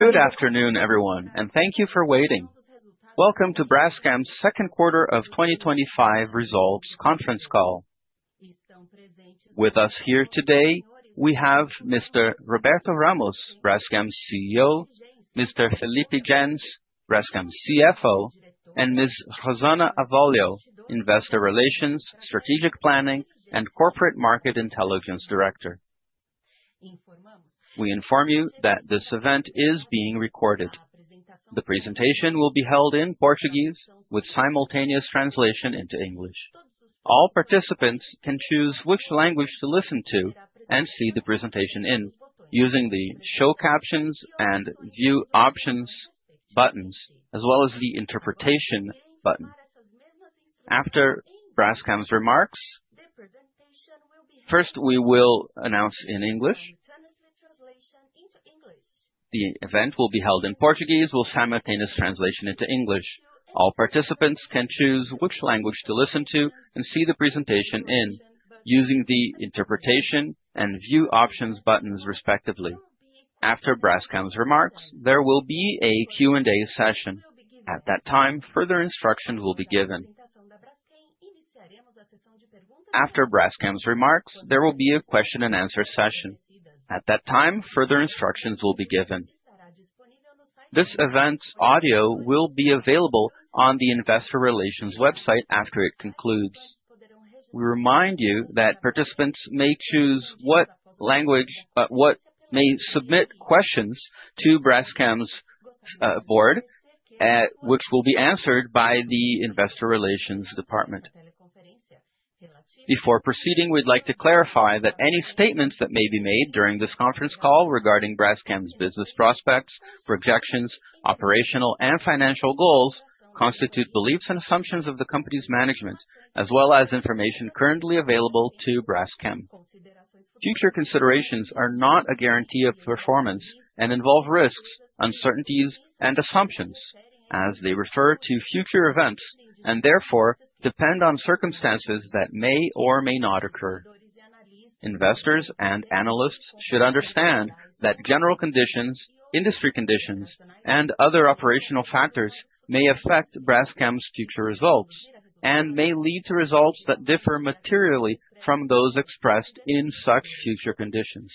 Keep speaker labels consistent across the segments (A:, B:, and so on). A: Good afternoon, everyone, and thank you for waiting. Welcome to Braskem's Second Quarter of 2025 Results Conference Call. With us here today, we have Mr. Roberto Ramos, Braskem's CEO, Mr. Felipe Jens, Braskem's CFO, and Ms. Rosana Avolio, Investor Relations, Strategic Planning, and Corporate Market Intelligence Director. We inform you that this event is being recorded. The presentation will be held in Portuguese, with simultaneous translation into English. All participants can choose which language to listen to and see the presentation in, using the "Show Captions" and "View Options" buttons, as well as the "Interpretation" button. After Braskem's remarks, first we will announce in English. The event will be held in Portuguese, with simultaneous translation into English. All participants can choose which language to listen to and see the presentation in, using the "Interpretation" and "View Options" buttons, respectively. After Braskem's remarks, there will be a Q&A session. At that time, further instructions will be given. After Braskem's remarks, there will be a question-and-answer session. At that time, further instructions will be given. This event audio will be available on the investor Relations website after it concludes. We remind you that participants may choose what language, but may submit questions to Braskem's board, which will be answered by the Investor Relations department. Before proceeding, we'd like to clarify that any statements that may be made during this conference call regarding Braskem's business prospects, projections, operational and financial goals constitute beliefs and assumptions of the company's management, as well as information currently available to Braskem. Future considerations are not a guarantee of performance and involve risks, uncertainties, and assumptions, as they refer to future events and therefore depend on circumstances that may or may not occur. Investors and analysts should understand that general conditions, industry conditions, and other operational factors may affect Braskem's future results and may lead to results that differ materially from those expressed in such future conditions.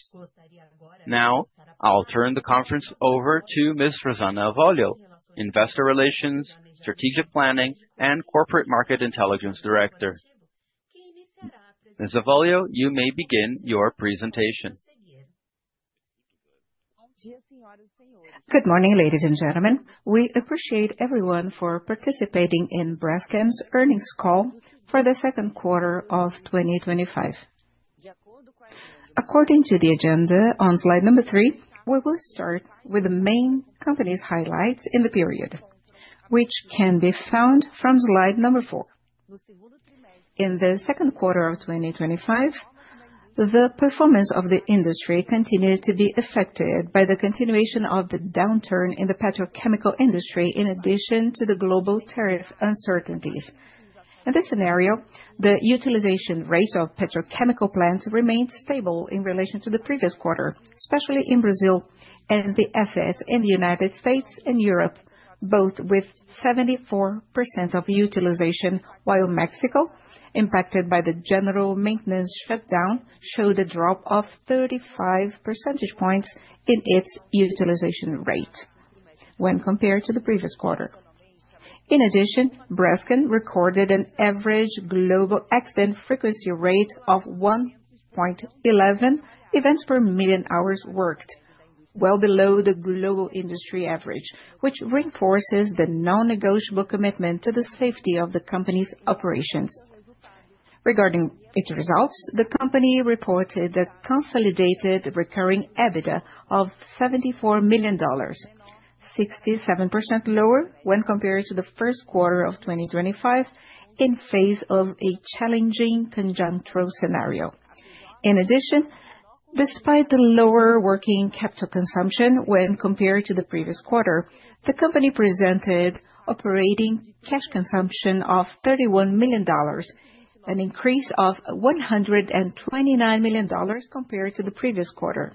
A: Now, I'll turn the conference over to Ms. Rosana Avolio, Investor Relations, Strategic Planning, and Corporate Market Intelligence Director. Ms. Avolio, you may begin your presentation.
B: Good morning, ladies and gentlemen. We appreciate everyone for participating in Braskem's earnings call for the second quarter of 2025. According to the agenda on slide number three, we will start with the main company's highlights in the period, which can be found from slide number four. In the second quarter of 2025, the performance of the industry continued to be affected by the continuation of the downturn in the petrochemical industry in addition to the global tariff uncertainties. In this scenario, the utilization rates of petrochemical plants remained stable in relation to the previous quarter, especially in Brazil and the assets in the United States and Europe, both with 74% of utilization, while Mexico, impacted by the general maintenance shutdown, showed a drop of 35 percentage points in its utilization rate when compared to the previous quarter. In addition, Braskem recorded an average global accident frequency rate of 1.11 events per million hours worked, well below the global industry average, which reinforces the non-negotiable commitment to the safety of the company's operations. Regarding its results, the company reported a consolidated recurring EBITDA of $74 million, 67% lower when compared to the first quarter of 2025, in a phase of a challenging conjunctural scenario. In addition, despite the lower working capital consumption when compared to the previous quarter, the company presented operating cash consumption of $31 million, an increase of $129 million compared to the previous quarter.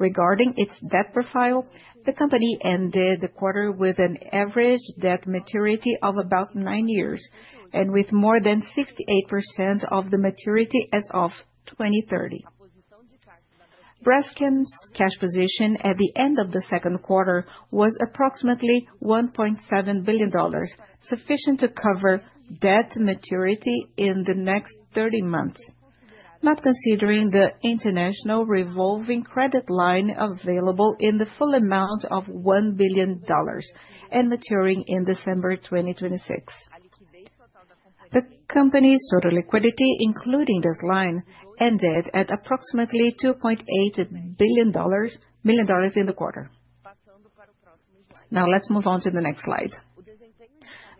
B: Regarding its debt profile, the company ended the quarter with an average debt maturity of about nine years and with more than 68% of the maturity as of 2030. Braskem's cash position at the end of the second quarter was approximately $1.7 billion, sufficient to cover debt maturity in the next 30 months, not considering the international revolving credit line available in the full amount of $1 billion and maturing in December 2026. The company's total liquidity, including this line, ended at approximately $2.8 billion in the quarter. Now, let's move on to the next slide.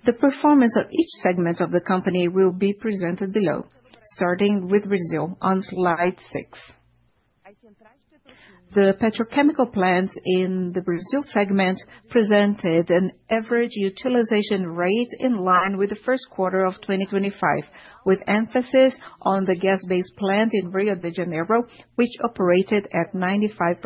B: The performance of each segment of the company will be presented below, starting with Brazil on slide six. The petrochemical plants in the Brazil segment presented an average utilization rate in line with the first quarter of 2025, with emphasis on the gas-based plant in Rio de Janeiro, which operated at 95%.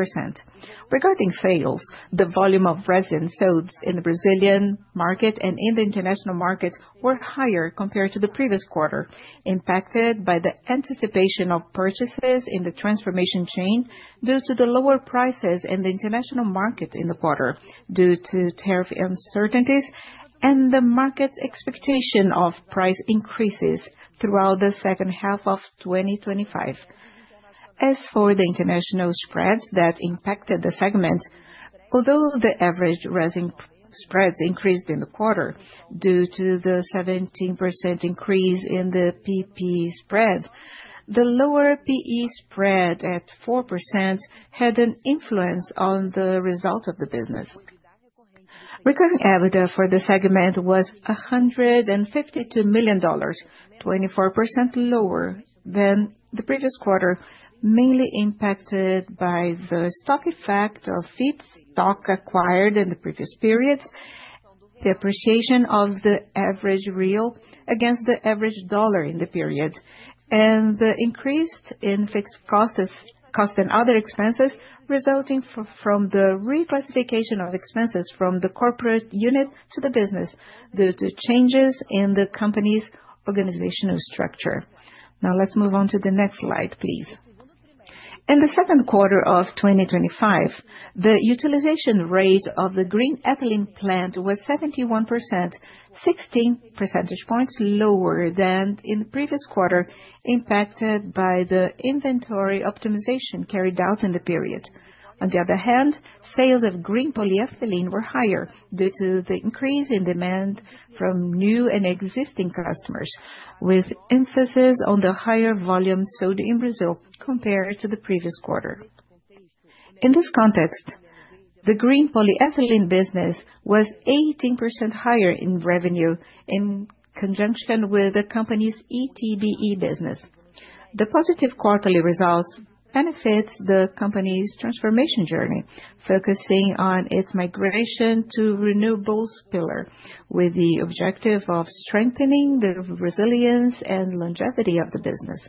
B: Regarding sales, the volume of resin sold in the Brazilian market and in the international markets were higher compared to the previous quarter, impacted by the anticipation of purchases in the transformation chain due to the lower prices in the international markets in the quarter, due to tariff uncertainties and the market's expectation of price increases throughout the second half of 2025. As for the international spreads that impacted the segment, although the average resin spreads increased in the quarter due to the 17% increase in the PE spread, the lower PP spread at 4% had an influence on the results of the business. Recurring EBITDA for the segment was $152 million, 24% lower than the previous quarter, mainly impacted by the stock effect of feedstock acquired in the previous period, the appreciation of the average real against the average dollar in the period, and the increase in fixed costs and other expenses resulting from the reclassification of expenses from the corporate unit to the business due to changes in the company's organizational structure. Now, let's move on to the next slide, please. In the second quarter of 2025, the utilization rate of the green ethylene plant was 71%, 16 percentage points lower than in the previous quarter, impacted by the inventory optimization carried out in the period. On the other hand, sales of green polyethylene were higher due to the increase in demand from new and existing customers, with emphasis on the higher volume sold in Brazil compared to the previous quarter. In this context, the green polyethylene business was 18% higher in revenue in conjunction with the company's ETBE business. The positive quarterly results benefit the company's transformation journey, focusing on its migration to renewables pillar with the objective of strengthening the resilience and longevity of the business.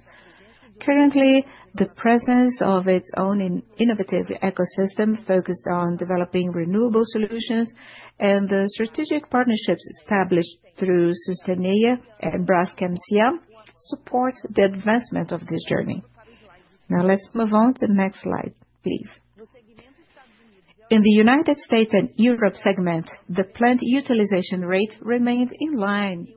B: Currently, the presence of its own innovative ecosystem focused on developing renewable solutions and the strategic partnerships established through Sustainea and Braskem CM support the advancement of this journey. Now, let's move on to the next slide, please. In the United States and Europe segment, the plant utilization rate remained in line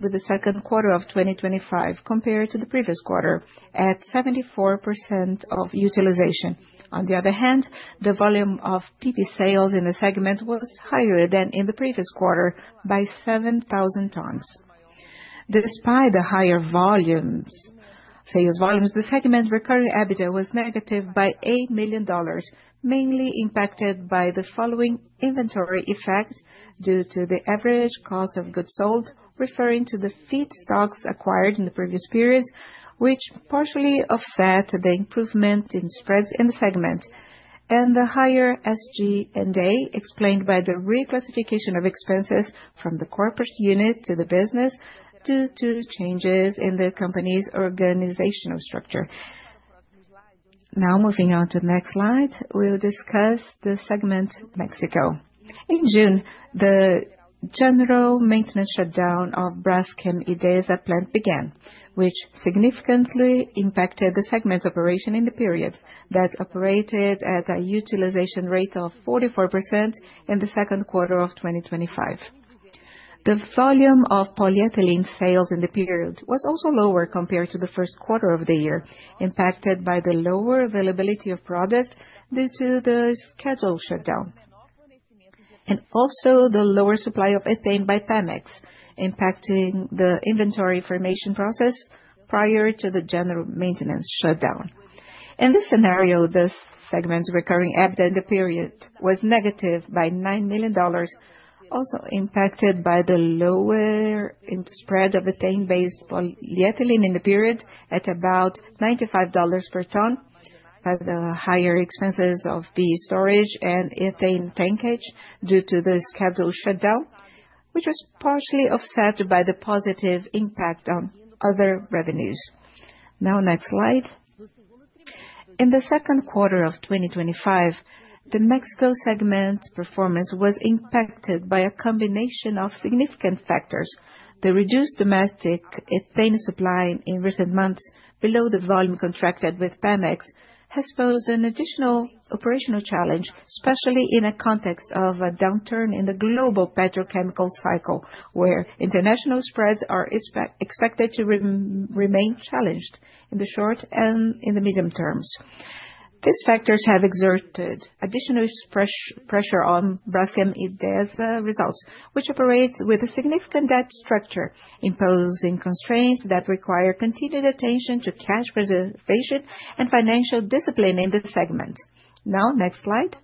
B: with the second quarter of 2025 compared to the previous quarter at 74% of utilization. On the other hand, the volume of PP sales in the segment was higher than in the previous quarter by 7,000 tons. Despite the higher sales volumes, the segment recurring EBITDA was negative by $8 million, mainly impacted by the following inventory effects due to the average cost of goods sold, referring to the feedstocks acquired in the previous period, which partially offset the improvement in spreads in the segment, and the higher SG&A explained by the reclassification of expenses from the corporate unit to the business due to changes in the company's organizational structure. Now, moving on to the next slide, we'll discuss the segment Mexico. In June, the general maintenance shutdown of Braskem Idesa plant began, which significantly impacted the segment's operation in the period that operated at a utilization rate of 44% in the second quarter of 2025. The volume of polyethylene sales in the period was also lower compared to the first quarter of the year, impacted by the lower availability of products due to the scheduled shutdown and also the lower supply of ethane by Pemex, impacting the inventory formation process prior to the general maintenance shutdown. In this scenario, the segment's recurring EBITDA in the period was negative by $9 million, also impacted by the lower spread of ethane-based polyethylene in the period at about $95 per ton, and the higher expenses of the storage and ethane tankage due to the scheduled shutdown, which was partially offset by the positive impact on other revenues. Now, next slide. In the second quarter of 2025, the Mexico segment's performance was impacted by a combination of significant factors. The reduced domestic ethane supply in recent months, below the volume contracted with Pemex, has posed an additional operational challenge, especially in a context of a downturn in the global petrochemical cycle, where international spreads are expected to remain challenged in the short and in the medium terms. These factors have exerted additional pressure on Braskem Idesa results, which operate with a significant debt structure, imposing constraints that require continued attention to cash reservation and financial discipline in this segment. Now, next slide.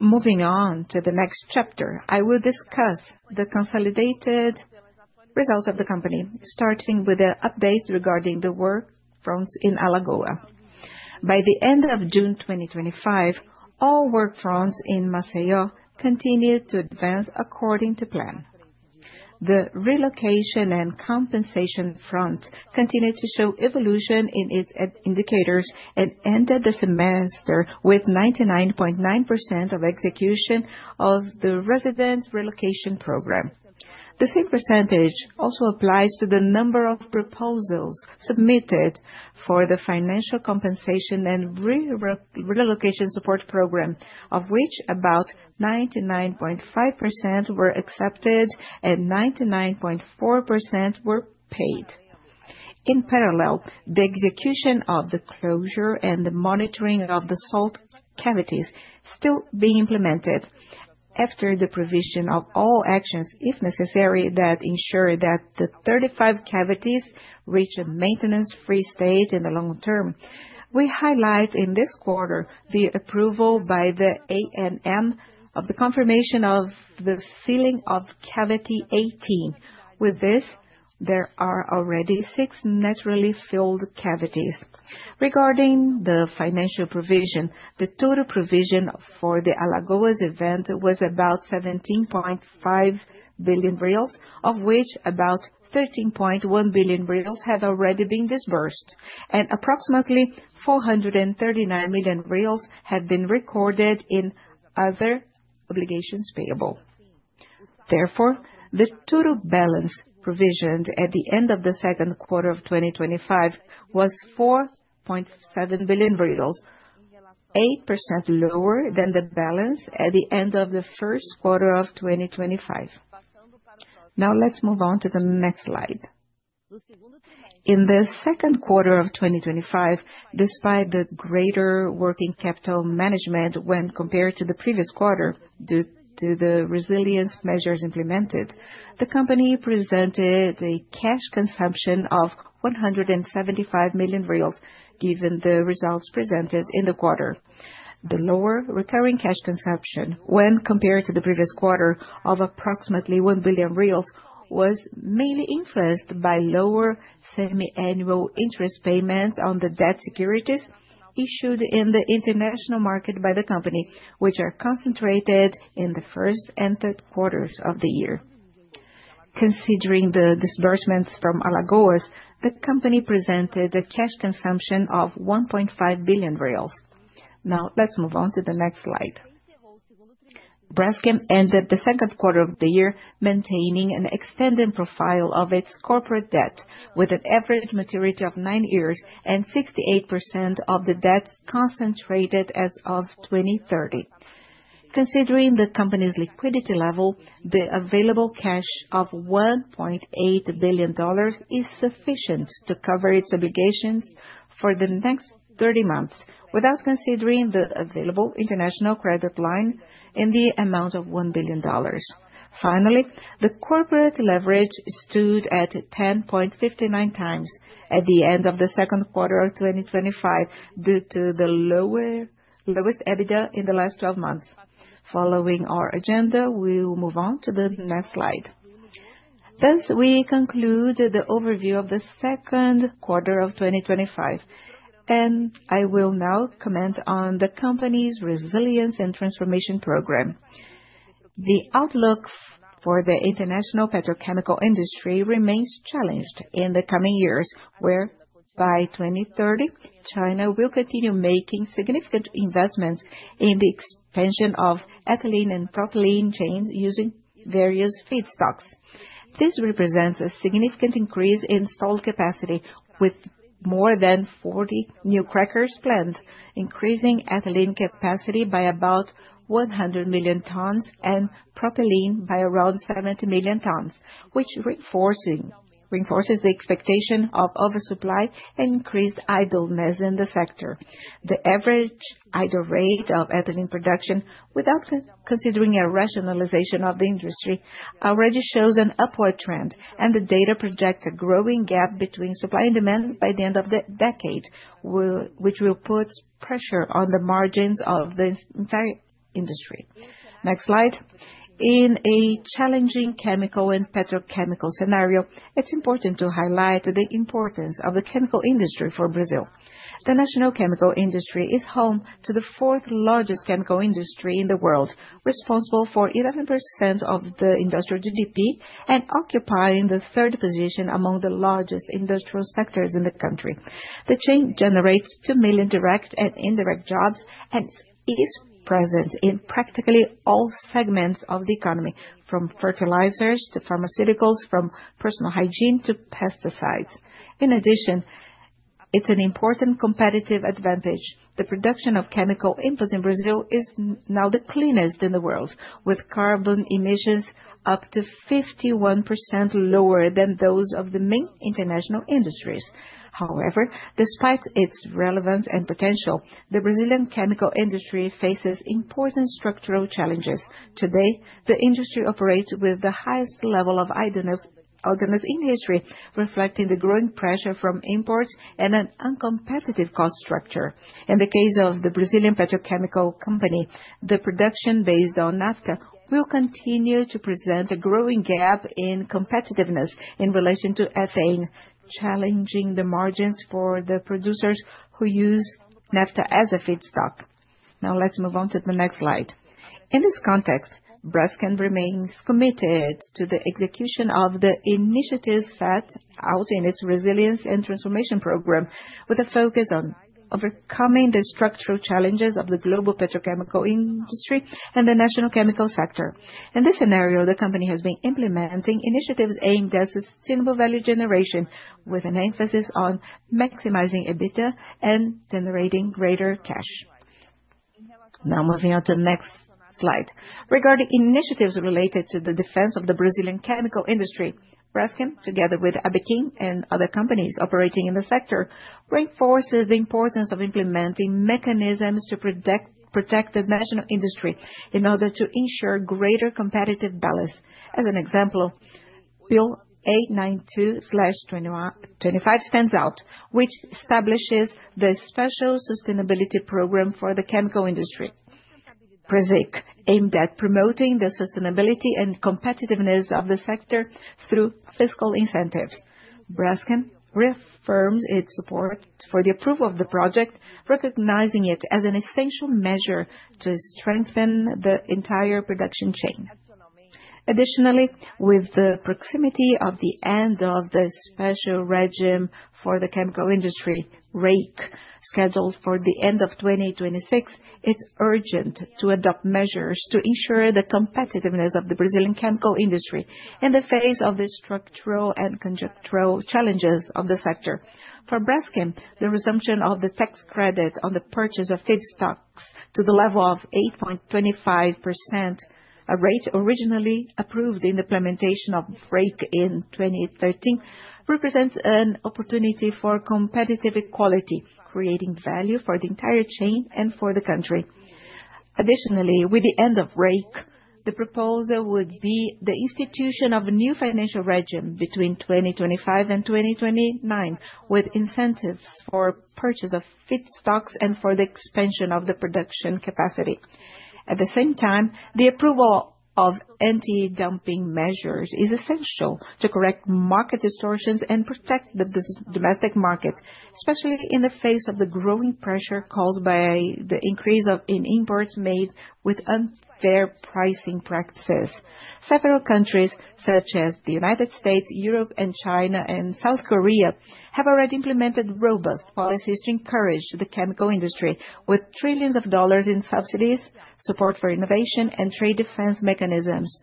B: Moving on to the next chapter, I will discuss the consolidated results of the company, starting with the updates regarding the work fronts in Alagoas. By the end of June 2025, all work fronts in Maceió continued to advance according to plan. The relocation and compensation front continued to show evolution in its indicators and ended the semester with 99.9% of execution of the residents' relocation program. The same percentage also applies to the number of proposals submitted for the financial compensation and relocation support program, of which about 99.5% were accepted and 99.4% were paid. In parallel, the execution of the closure and the monitoring of the salt cavities is still being implemented after the provision of all actions, if necessary, that ensure that the 35 cavities reach a maintenance-free stage in the long term. We highlight in this quarter the approval by the ANM of the confirmation of the sealing of cavity 18. With this, there are already six naturally sealed cavities. Regarding the financial provision, the total provision for the Alagoas event was about R$17.5 billion, of which about R$13.1 billion have already been disbursed, and approximately R$439 million have been recorded in other obligations payable. Therefore, the total balance provisioned at the end of the second quarter of 2025 was R$4.7 billion, 8% lower than the balance at the end of the first quarter of 2025. Now, let's move on to the next slide. In the second quarter of 2025, despite the greater working capital management when compared to the previous quarter due to the resilience measures implemented, the company presented a cash consumption of R$175 million, given the results presented in the quarter. The lower recurring cash consumption, when compared to the previous quarter, of approximately R$1 billion was mainly influenced by lower semi-annual interest payments on the debt securities issued in the international market by the company, which are concentrated in the first and third quarters of the year. Considering the disbursements from Alagoas, the company presented a cash consumption of R$1.5 billion. Now, let's move on to the next slide. Braskem ended the second quarter of the year maintaining an extended profile of its corporate debt, with an average maturity of nine years and 68% of the debts concentrated as of 2030. Considering the company's liquidity level, the available cash of $1.8 billion is sufficient to cover its obligations for the next 30 months without considering the available international credit line in the amount of $1 billion. Finally, the corporate leverage stood at 10.59x at the end of the second quarter of 2025 due to the lowest EBITDA in the last 12 months. Following our agenda, we will move on to the next slide. Thus, we conclude the overview of the second quarter of 2025, and I will now comment on the company's resilience and transformation program. The outlook for the international petrochemical industry remains challenged in the coming years, where by 2030, China will continue making significant investments in the expansion of ethylene and propylene chains using various feedstocks. This represents a significant increase in salt capacity, with more than 40 new cracker plants, increasing ethylene capacity by about 100 million tons and propylene by around 70 million tons, which reinforces the expectation of oversupply and increased idleness in the sector. The average idle rate of ethylene production, without considering a rationalization of the industry, already shows an upward trend, and the data projects a growing gap between supply and demand by the end of the decade, which will put pressure on the margins of the entire industry. Next slide. In a challenging chemical and petrochemical scenario, it's important to highlight the importance of the chemical industry for Brazil. The national chemical industry is home to the fourth largest chemical industry in the world, responsible for 11% of the industrial GDP and occupying the third position among the largest industrial sectors in the country. The chain generates 2 million direct and indirect jobs and is present in practically all segments of the economy, from fertilizers to pharmaceuticals, from personal hygiene to pesticides. In addition, it's an important competitive advantage. The production of chemical inputs in Brazil is now the cleanest in the world, with carbon emissions up to 51% lower than those of the main international industries. However, despite its relevance and potential, the Brazilian chemical industry faces important structural challenges. Today, the industry operates with the highest level of idleness in history, reflecting the growing pressure from imports and an uncompetitive cost structure. In the case of the Brazilian petrochemical company, the production based on naphtha will continue to present a growing gap in competitiveness in relation to ethane, challenging the margins for the producers who use naphtha as a feedstock. Now, let's move on to the next slide. In this context, Braskem remains committed to the execution of the initiatives set out in its resilience and transformation program, with a focus on overcoming the structural challenges of the global petrochemical industry and the national chemical sector. In this scenario, the company has been implementing initiatives aimed at sustainable value generation, with an emphasis on maximizing EBITDA and generating greater cash. Now, moving on to the next slide. Regarding initiatives related to the defense of the Brazilian chemical industry, Braskem, together with ABIQUIM and other companies operating in the sector, reinforces the importance of implementing mechanisms to protect the national industry in order to ensure greater competitive balance. As an example, PL 892/2025 stands out, which establishes the special sustainability program for the chemical industry. PRESIQ aimed at promoting the sustainability and competitiveness of the sector through fiscal incentives. Braskem reaffirms its support for the approval of the project, recognizing it as an essential measure to strengthen the entire production chain. Additionally, with the proximity of the end of the special regime for the chemical industry, REIQ, scheduled for the end of 2026, it's urgent to adopt measures to ensure the competitiveness of the Brazilian chemical industry in the face of the structural and conjunctural challenges of the sector. For Braskem, the resumption of the tax credit on the purchase of feedstocks to the level of 8.25%, a rate originally approved in the implementation of REIQ in 2013, represents an opportunity for competitive equality, creating value for the entire chain and for the country. Additionally, with the end of REIQ, the proposal would be the institution of a new financial regime between 2025 and 2029, with incentives for the purchase of feedstocks and for the expansion of the production capacity. At the same time, the approval of anti-dumping measures is essential to correct market distortions and protect the domestic markets, especially in the face of the growing pressure caused by the increase in imports made with unfair pricing practices. Several countries, such as the United States, Europe, China, and South Korea, have already implemented robust policies to encourage the chemical industry, with trillions of dollars in subsidies, support for innovation, and trade defense mechanisms.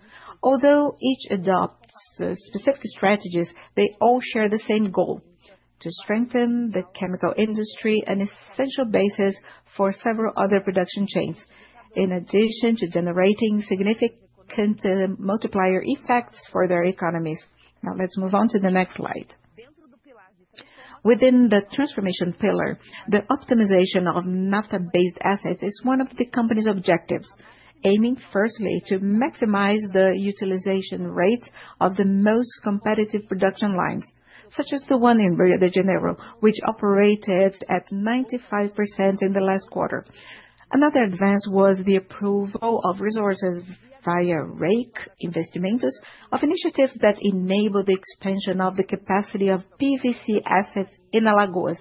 B: Although each adopts specific strategies, they all share the same goal: to strengthen the chemical industry, an essential basis for several other production chains, in addition to generating significant multiplier effects for their economies. Now, let's move on to the next slide. Within the transformation pillar, the optimization of naphtha-based assets is one of the company's objectives, aiming firstly to maximize the utilization rate of the most competitive production lines, such as the one in Rio de Janeiro, which operated at 95% in the last quarter. Another advance was the approval of resources via REIQ investments of initiatives that enabled the expansion of the capacity of PVC assets in Alagoas.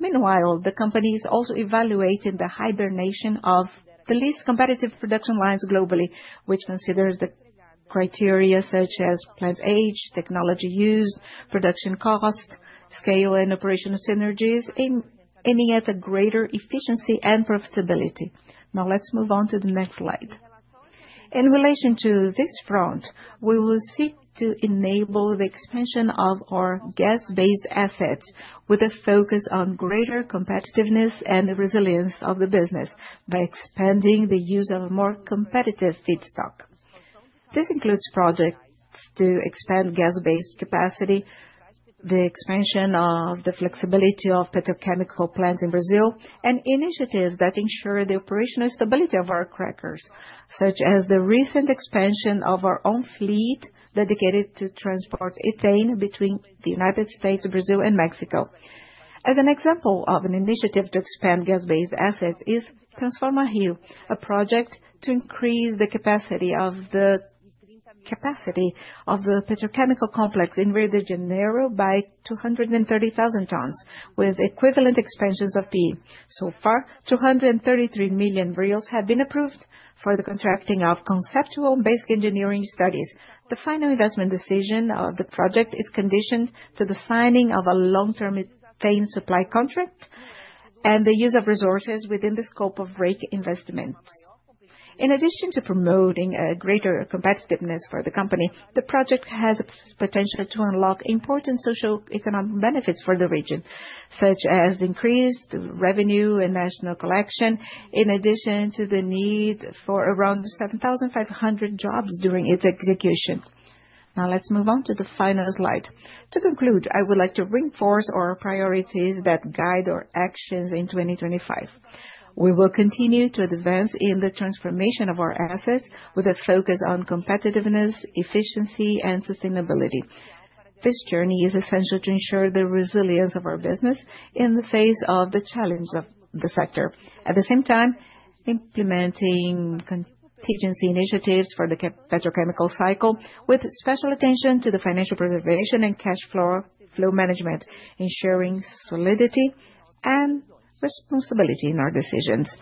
B: Meanwhile, the company is also evaluating the hibernation of the least competitive production lines globally, which considers the criteria such as plant age, technology used, production cost, scale, and operational synergies, aiming at a greater efficiency and profitability. Now, let's move on to the next slide. In relation to this front, we will seek to enable the expansion of our gas-based assets, with a focus on greater competitiveness and the resilience of the business by expanding the use of a more competitive feedstock. This includes projects to expand gas-based capacity, the expansion of the flexibility of petrochemical plants in Brazil, and initiatives that ensure the operational stability of our crackers, such as the recent expansion of our own fleet dedicated to transport ethane between the United States, Brazil, and Mexico. As an example of an initiative to expand gas-based assets is Transforma Rio, a project to increase the capacity of the petrochemical complex in Rio de Janeiro by 230,000 tons, with equivalent expenses of fee. So far, R$233 million have been approved for the contracting of conceptual and basic engineering studies. The final investment decision of the project is conditioned to the signing of a long-term ethane supply contract and the use of resources within the scope of REIQ investments. In addition to promoting a greater competitiveness for the company, the project has the potential to unlock important socioeconomic benefits for the region, such as increased revenue and national collection, in addition to the need for around 7,500 jobs during its execution. Now, let's move on to the final slide. To conclude, I would like to reinforce our priorities that guide our actions in 2025. We will continue to advance in the transformation of our assets with a focus on competitiveness, efficiency, and sustainability. This journey is essential to ensure the resilience of our business in the face of the challenge of the sector. At the same time, implementing contingency initiatives for the petrochemical cycle, with special attention to the financial preservation and cash flow management, ensuring solidity and responsibility in our decisions.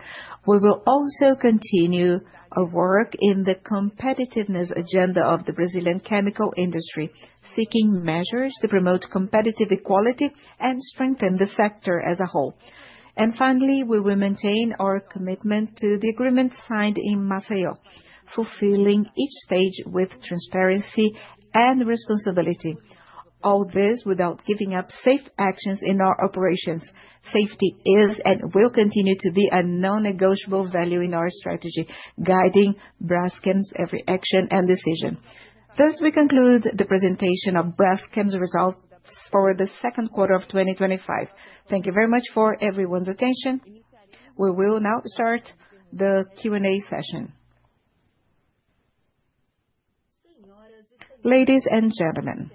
B: We will also continue our work in the competitiveness agenda of the Brazilian chemical industry, seeking measures to promote competitive equality and strengthen the sector as a whole. Finally, we will maintain our commitment to the agreement signed in Maceió, fulfilling each stage with transparency and responsibility. All this without giving up safe actions in our operations. Safety is and will continue to be a non-negotiable value in our strategy, guiding Braskem's every action and decision. Thus, we conclude the presentation of Braskem's results for the second quarter of 2025. Thank you very much for everyone's attention. We will now start the Q&A session.
A: Ladies and gentlemen,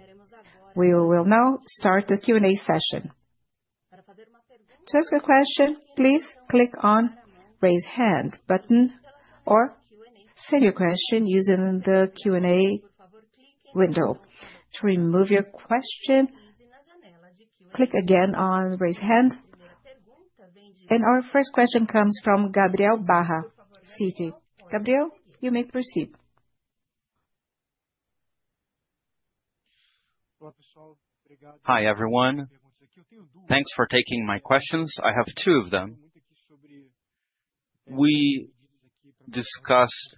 A: we will now start the Q&A session. To ask a question, please click on the raise hand button or send your question using the Q&A window. To remove your question, click again on raise hand. Our first question comes from Gabriel Barra, Citi. Gabriel, you may proceed.
C: Hi, everyone. Thanks for taking my questions. I have two of them. We discussed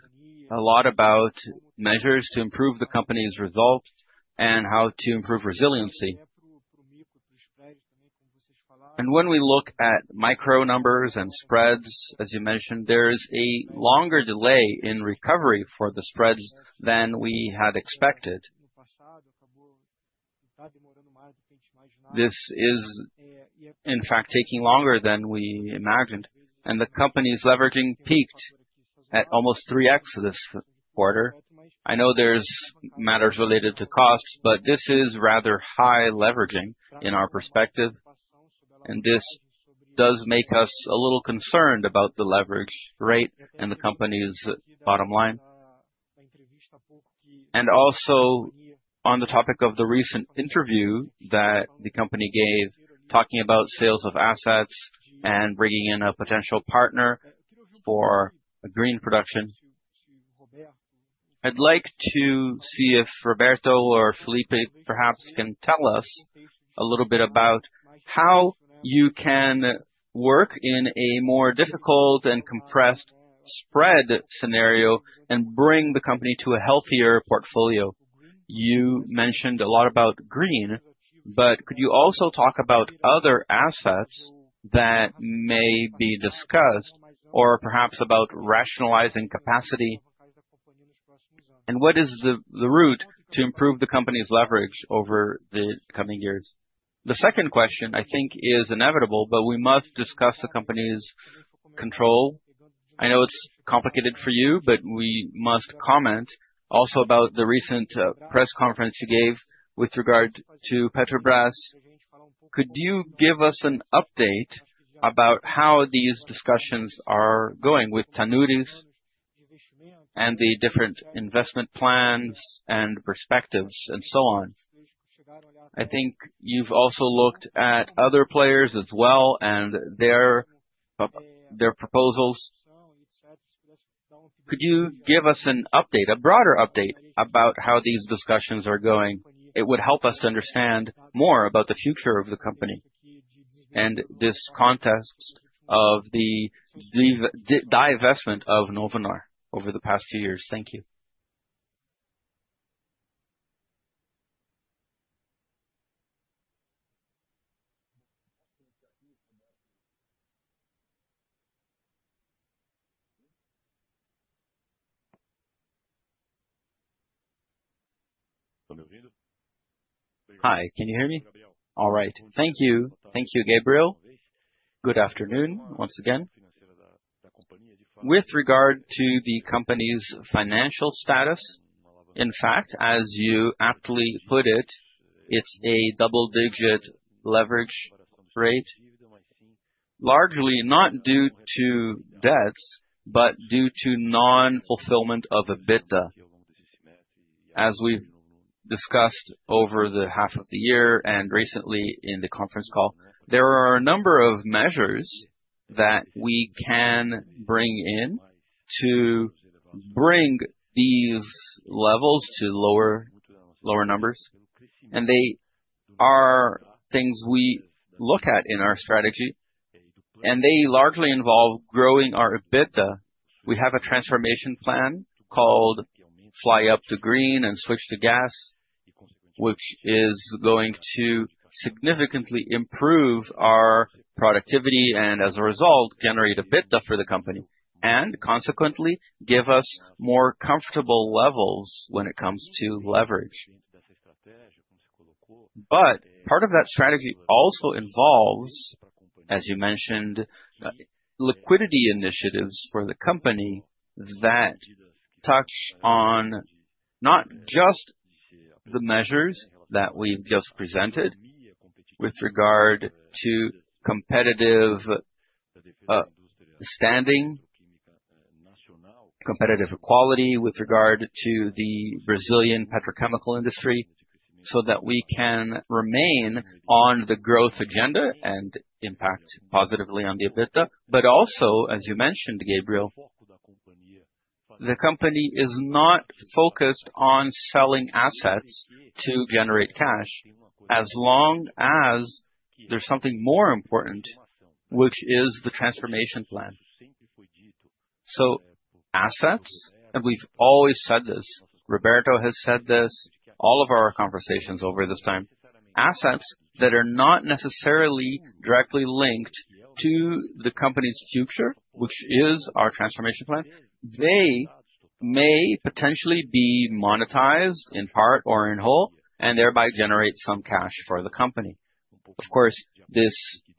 C: a lot about measures to improve the company's results and how to improve resiliency. When we look at micro numbers and spreads, as you mentioned, there is a longer delay in recovery for the spreads than we had expected. This is, in fact, taking longer than we imagined. The company's leverage peaked at almost 3x for this quarter. I know there's matters related to costs, but this is rather high leverage in our perspective. This does make us a little concerned about the leverage rate and the company's bottom line. Also, on the topic of the recent interview that the company gave, talking about sales of assets and bringing in a potential partner for a green production, I'd like to see if Roberto or Felipe perhaps can tell us a little bit about how you can work in a more difficult and compressed spread scenario and bring the company to a healthier portfolio. You mentioned a lot about green, but could you also talk about other assets that may be discussed or perhaps about rationalizing capacity? What is the route to improve the company's leverage over the coming years? The second question, I think, is inevitable, but we must discuss the company's control. I know it's complicated for you, but we must comment also about the recent press conference you gave with regard to Petrobras. Could you give us an update about how these discussions are going with annuities and the different investment plans and perspectives and so on? I think you've also looked at other players as well and their proposals. Could you give us an update, a broader update about how these discussions are going? It would help us to understand more about the future of the company and this context of the divestment of Novonor over the past few years. Thank you.
D: Hi. Can you hear me? All right. Thank you. Thank you, Gabriel. Good afternoon once again. With regard to the company's financial status, in fact, as you aptly put it, it's a double-digit leverage rate, largely not due to debts, but due to non-fulfillment of EBITDA. As we've discussed over the half of the year and recently in the conference call, there are a number of measures that we can bring in to bring these levels to lower numbers. They are things we look at in our strategy. They largely involve growing our EBITDA. We have a transformation plan called Fly Up to Green and Switch to Gas, which is going to significantly improve our productivity and, as a result, generate EBITDA for the company and consequently give us more comfortable levels when it comes to leverage. Part of that strategy also involves, as you mentioned, liquidity initiatives for the company that touch on not just the measures that we've just presented with regard to competitive standing, competitive equality with regard to the Brazilian petrochemical industry, so that we can remain on the growth agenda and impact positively on the EBITDA. Also, as you mentioned, Gabriel, the company is not focused on selling assets to generate cash as long as there's something more important, which is the transformation plan. Assets, and we've always said this, Roberto has said this in all of our conversations over this time, assets that are not necessarily directly linked to the company's future, which is our transformation plan, they may potentially be monetized in part or in whole, and thereby generate some cash for the company. Of course,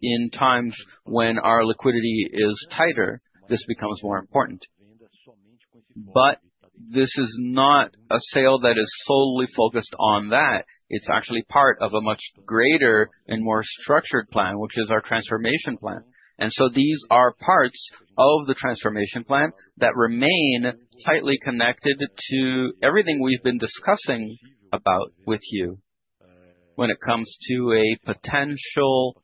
D: in times when our liquidity is tighter, this becomes more important. This is not a sale that is solely focused on that. It's actually part of a much greater and more structured plan, which is our transformation plan. These are parts of the transformation plan that remain tightly connected to everything we've been discussing about with you when it comes to a potential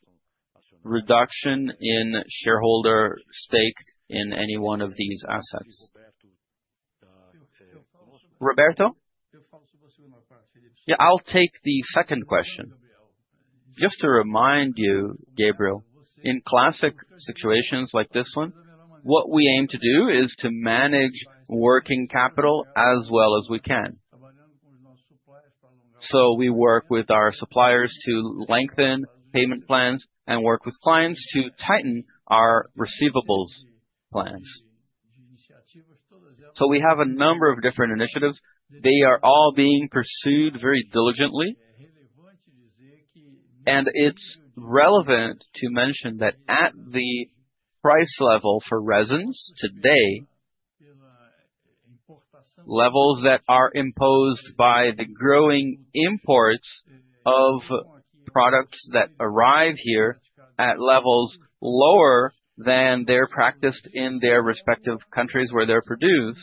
D: reduction in shareholder stake in any one of these assets. Roberto?
E: Yeah, I'll take the second question. Just to remind you, Gabriel, in classic situations like this one, what we aim to do is to manage working capital as well as we can. We work with our suppliers to lengthen payment plans and work with clients to tighten our receivables plans. We have a number of different initiatives. They are all being pursued very diligently. It's relevant to mention that at the price level for resins today, levels that are imposed by the growing imports of products that arrive here at levels lower than they're practiced in their respective countries where they're produced.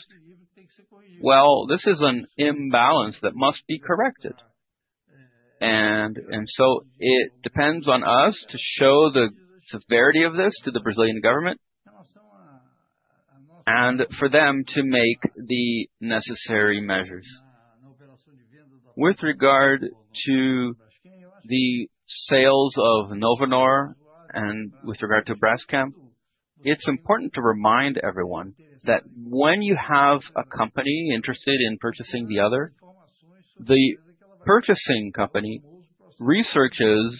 E: This is an imbalance that must be corrected. It depends on us to show the severity of this to the Brazilian government and for them to make the necessary measures. With regard to the sales of Novonor and with regard to Braskem, it's important to remind everyone that when you have a company interested in purchasing the other, the purchasing company researches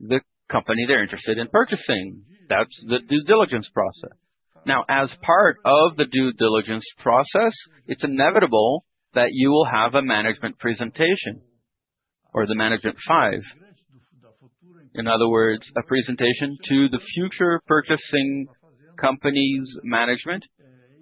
E: the company they're interested in purchasing. That's the due diligence process. As part of the due diligence process, it's inevitable that you will have a management presentation or the management five. In other words, a presentation to the future purchasing company's management,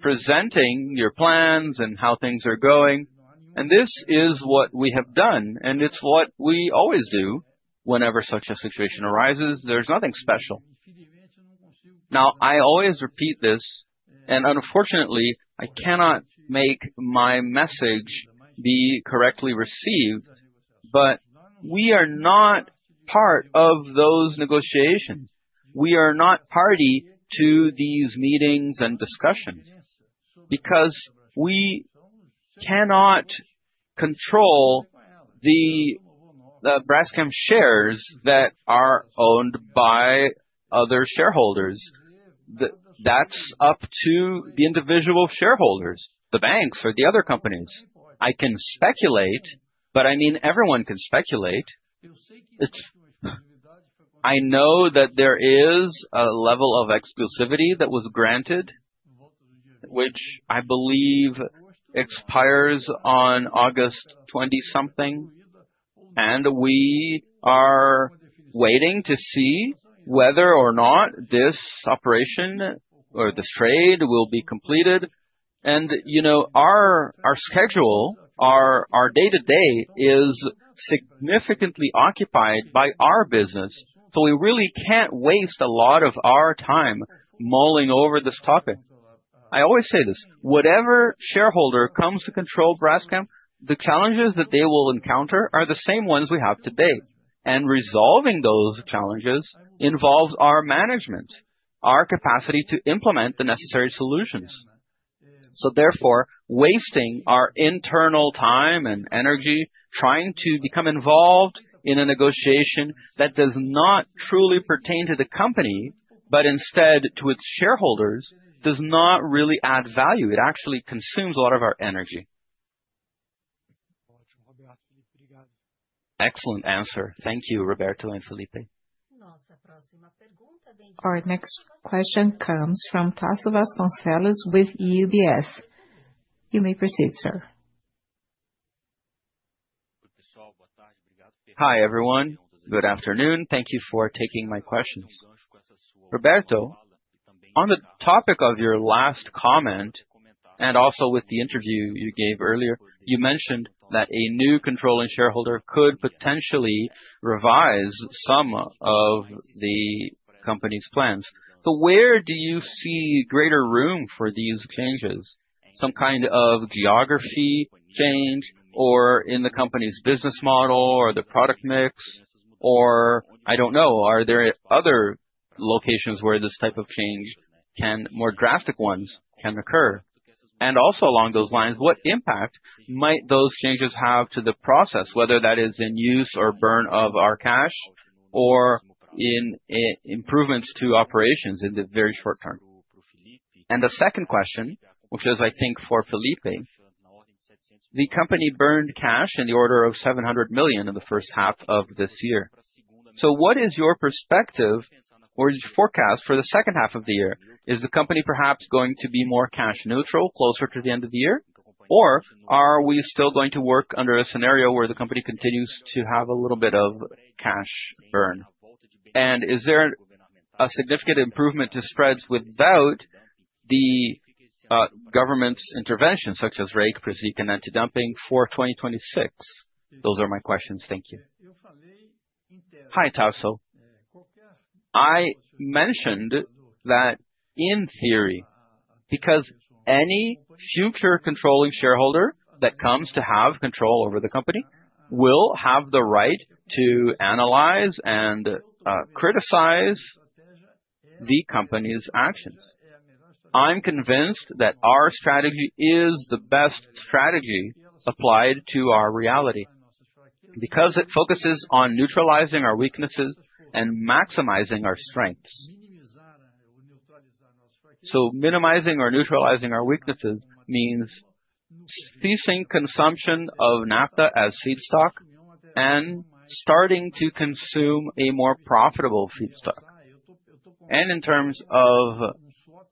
E: presenting your plans and how things are going. This is what we have done, and it's what we always do whenever such a situation arises. There's nothing special. I always repeat this, and unfortunately, I cannot make my message be correctly received, but we are not part of those negotiations. We are not party to these meetings and discussions because we cannot control the Braskem shares that are owned by other shareholders. That's up to the individual shareholders, the banks, or the other companies. I can speculate, but I mean everyone can speculate. I know that there is a level of exclusivity that was granted, which I believe expires on August 20-something. We are waiting to see whether or not this operation or this trade will be completed. You know our schedule, our day-to-day is significantly occupied by our business, so we really can't waste a lot of our time mulling over this topic. I always say this, whatever shareholder comes to control Braskem, the challenges that they will encounter are the same ones we have today. Resolving those challenges involves our management, our capacity to implement the necessary solutions. Therefore, wasting our internal time and energy trying to become involved in a negotiation that does not truly pertain to the company, but instead to its shareholders, does not really add value. It actually consumes a lot of our energy.
C: Excellent answer. Thank you, Roberto and Felipe.
A: All right. Next question comes from Tasso Vasconcellos with UBS. You may proceed, sir.
F: Hi, everyone. Good afternoon. Thank you for taking my questions. Roberto, on the topic of your last comment and also with the interview you gave earlier, you mentioned that a new controlling shareholder could potentially revise some of the company's plans. Where do you see greater room for these changes? Some kind of geography change or in the company's business model or the product mix? Are there other locations where this type of change, more drastic ones, can occur? Also along those lines, what impact might those changes have to the process, whether that is in use or burn of our cash or in improvements to operations in the very short term? The second question, which is, I think, for Felipe, the company burned cash in the order of $700 million in the first half of this year. What is your perspective or your forecast for the second half of the year? Is the company perhaps going to be more cash neutral closer to the end of the year? Are we still going to work under a scenario where the company continues to have a little bit of cash burn? Is there a significant improvement to spreads without the government's intervention such as REIQ, PRESIQ, and anti-dumping for 2026? Those are my questions. Thank you.
E: Hi, Tasso. I mentioned that in theory, because any future controlling shareholder that comes to have control over the company will have the right to analyze and criticize the company's actions. I'm convinced that our strategy is the best strategy applied to our reality because it focuses on neutralizing our weaknesses and maximizing our strengths. Minimizing or neutralizing our weaknesses means ceasing consumption of naphtha as feedstock and starting to consume a more profitable feedstock. In terms of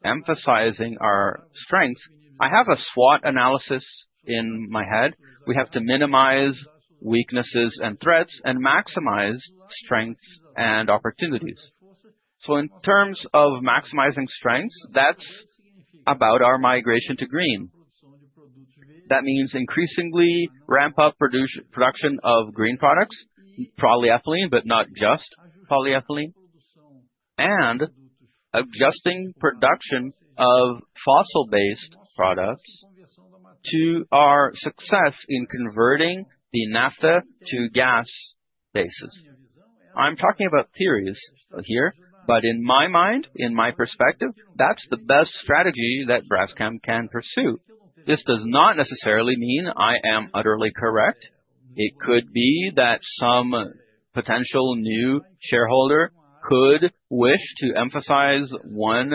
E: emphasizing our strengths, I have a SWOT analysis in my head. We have to minimize weaknesses and threats and maximize strengths and opportunities. In terms of maximizing strengths, that's about our migration to green. That means increasingly ramp up production of green products, polyethylene, but not just polyethylene, and adjusting production of fossil-based products to our success in converting the naphtha to gas bases. I'm talking about theories here, but in my mind, in my perspective, that's the best strategy that Braskem can pursue. This does not necessarily mean I am utterly correct. It could be that some potential new shareholder could wish to emphasize one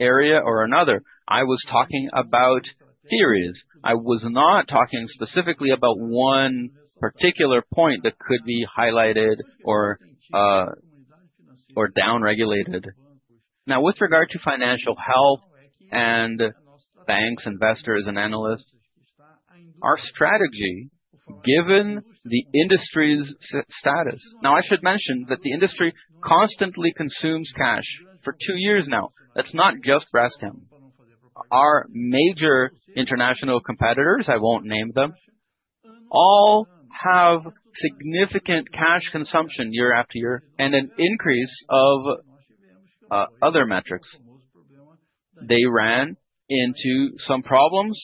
E: area or another. I was talking about theories. I was not talking specifically about one particular point that could be highlighted or downregulated. Now, with regard to financial health and banks, investors, and analysts, our strategy, given the industry's status, now I should mention that the industry constantly consumes cash for two years now. That's not just Braskem. Our major international competitors, I won't name them, all have significant cash consumption year after year and an increase of other metrics. They ran into some problems,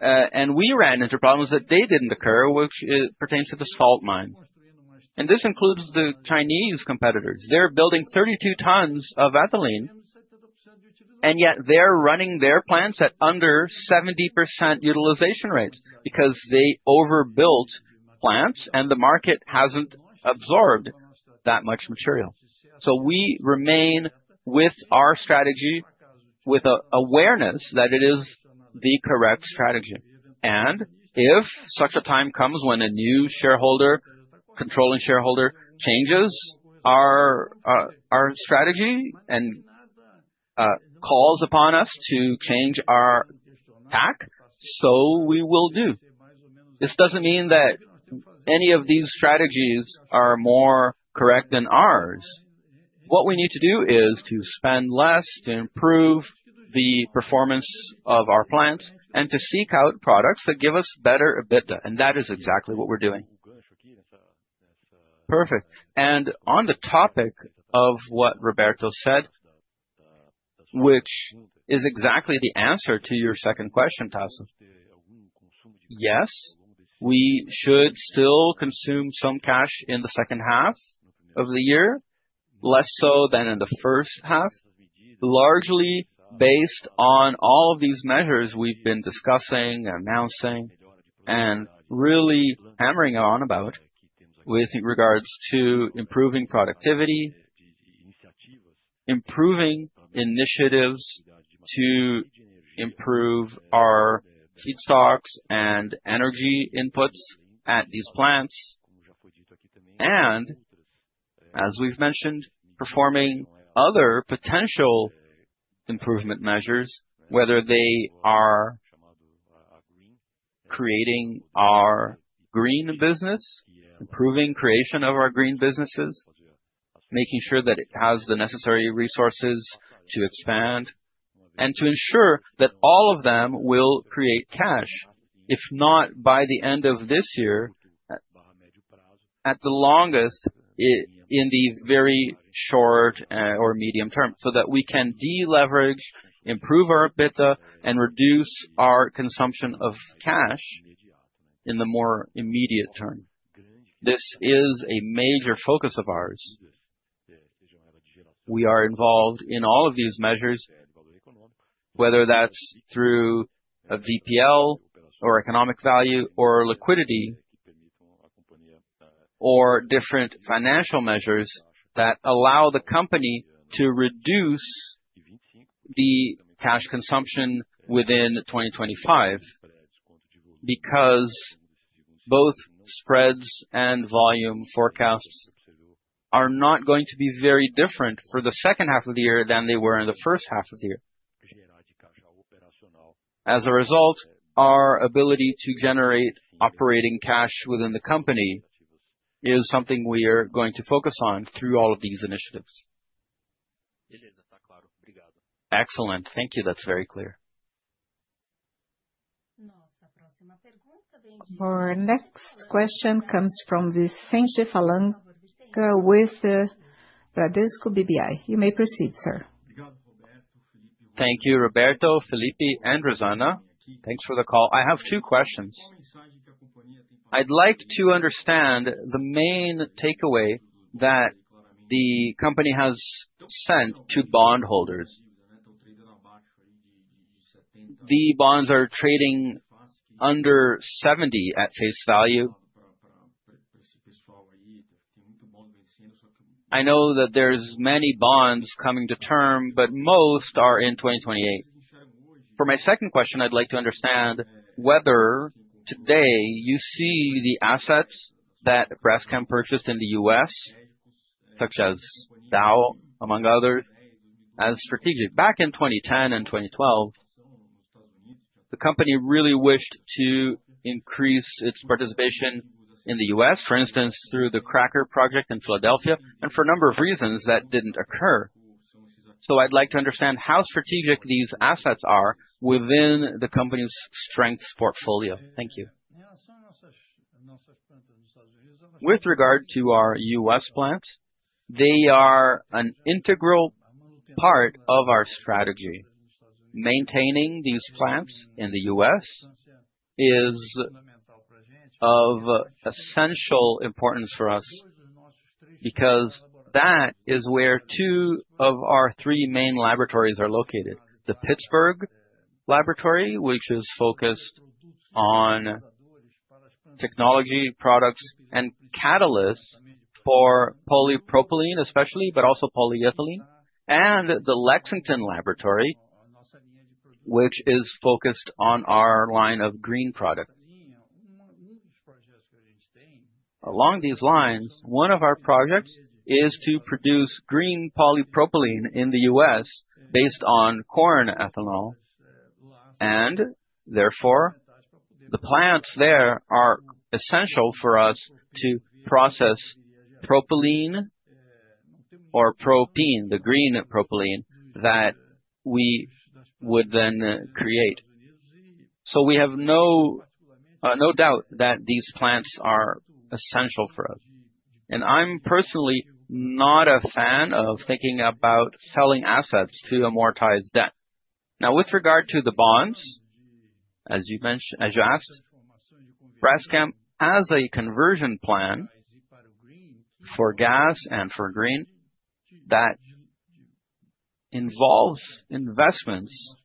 E: and we ran into problems that they didn't occur, which pertains to the salt mine. This includes the Chinese competitors. They're building 32 tons of ethylene, and yet they're running their plants at under 70% utilization rates because they overbuilt plants and the market hasn't absorbed that much material. We remain with our strategy with an awareness that it is the correct strategy. If such a time comes when a new controlling shareholder changes our strategy and calls upon us to change our tack, so we will do. This doesn't mean that any of these strategies are more correct than ours. What we need to do is to spend less to improve the performance of our plants and to seek out products that give us better EBITDA. That is exactly what we're doing.
D: Perfect. On the topic of what Roberto said, which is exactly the answer to your second question, Tasso, yes, we should still consume some cash in the second half of the year, less so than in the first half, largely based on all of these measures we've been discussing, announcing, and really hammering on about with regards to improving productivity, improving initiatives to improve our feedstocks and energy inputs at these plants. As we've mentioned, performing other potential improvement measures, whether they are creating our green business, improving the creation of our green businesses, making sure that it has the necessary resources to expand, and to ensure that all of them will create cash, if not by the end of this year, at the longest in the very short or medium term, so that we can deleverage, improve our EBITDA, and reduce our consumption of cash in the more immediate term. This is a major focus of ours. We are involved in all of these measures, whether that's through a VPL or economic value or liquidity or different financial measures that allow the company to reduce the cash consumption within 2025 because both spreads and volume forecasts are not going to be very different for the second half of the year than they were in the first half of the year. As a result, our ability to generate operating cash within the company is something we are going to focus on through all of these initiatives.
G: Excellent. Thank you. That's very clear.
A: Our next question comes from the with Vicente Falanga with Bradesco BBI. You may proceed, sir.
G: Thank you, Roberto, Felipe, and Rosana. Thanks for the call. I have two questions. I'd like to understand the main takeaway that the company has sent to bondholders. The bonds are trading under 70 at face value. I know that there's many bonds coming to term, but most are in 2028. For my second question, I'd like to understand whether today you see the assets that Braskem purchased in the U.S., such as Dow among others, as strategic. Back in 2010 and 2012, the company really wished to increase its participation in the U.S., for instance, through the cracker Project in Philadelphia, and for a number of reasons that didn't occur. I'd like to understand how strategic these assets are within the company's strengths portfolio. Thank you.
E: With regard to our U.S. plants, they are an integral part of our strategy. Maintaining these plants in the U.S. is of essential importance for us because that is where two of our three main laboratories are located: the Pittsburgh Laboratory, which is focused on technology, products, and catalysts for polypropylene, especially, but also polyethylene, and the Lexington Laboratory, which is focused on our line of green products. Along these lines, one of our projects is to produce green polypropylene in the U.S. based on corn ethanol. Therefore, the plants there are essential for us to process propylene or propane, the green propylene that we would then create. We have no doubt that these plants are essential for us. I'm personally not a fan of thinking about selling assets to amortize debt. Now, with regard to the bonds, as you asked, Braskem has a conversion plan for gas and for green that involves investments,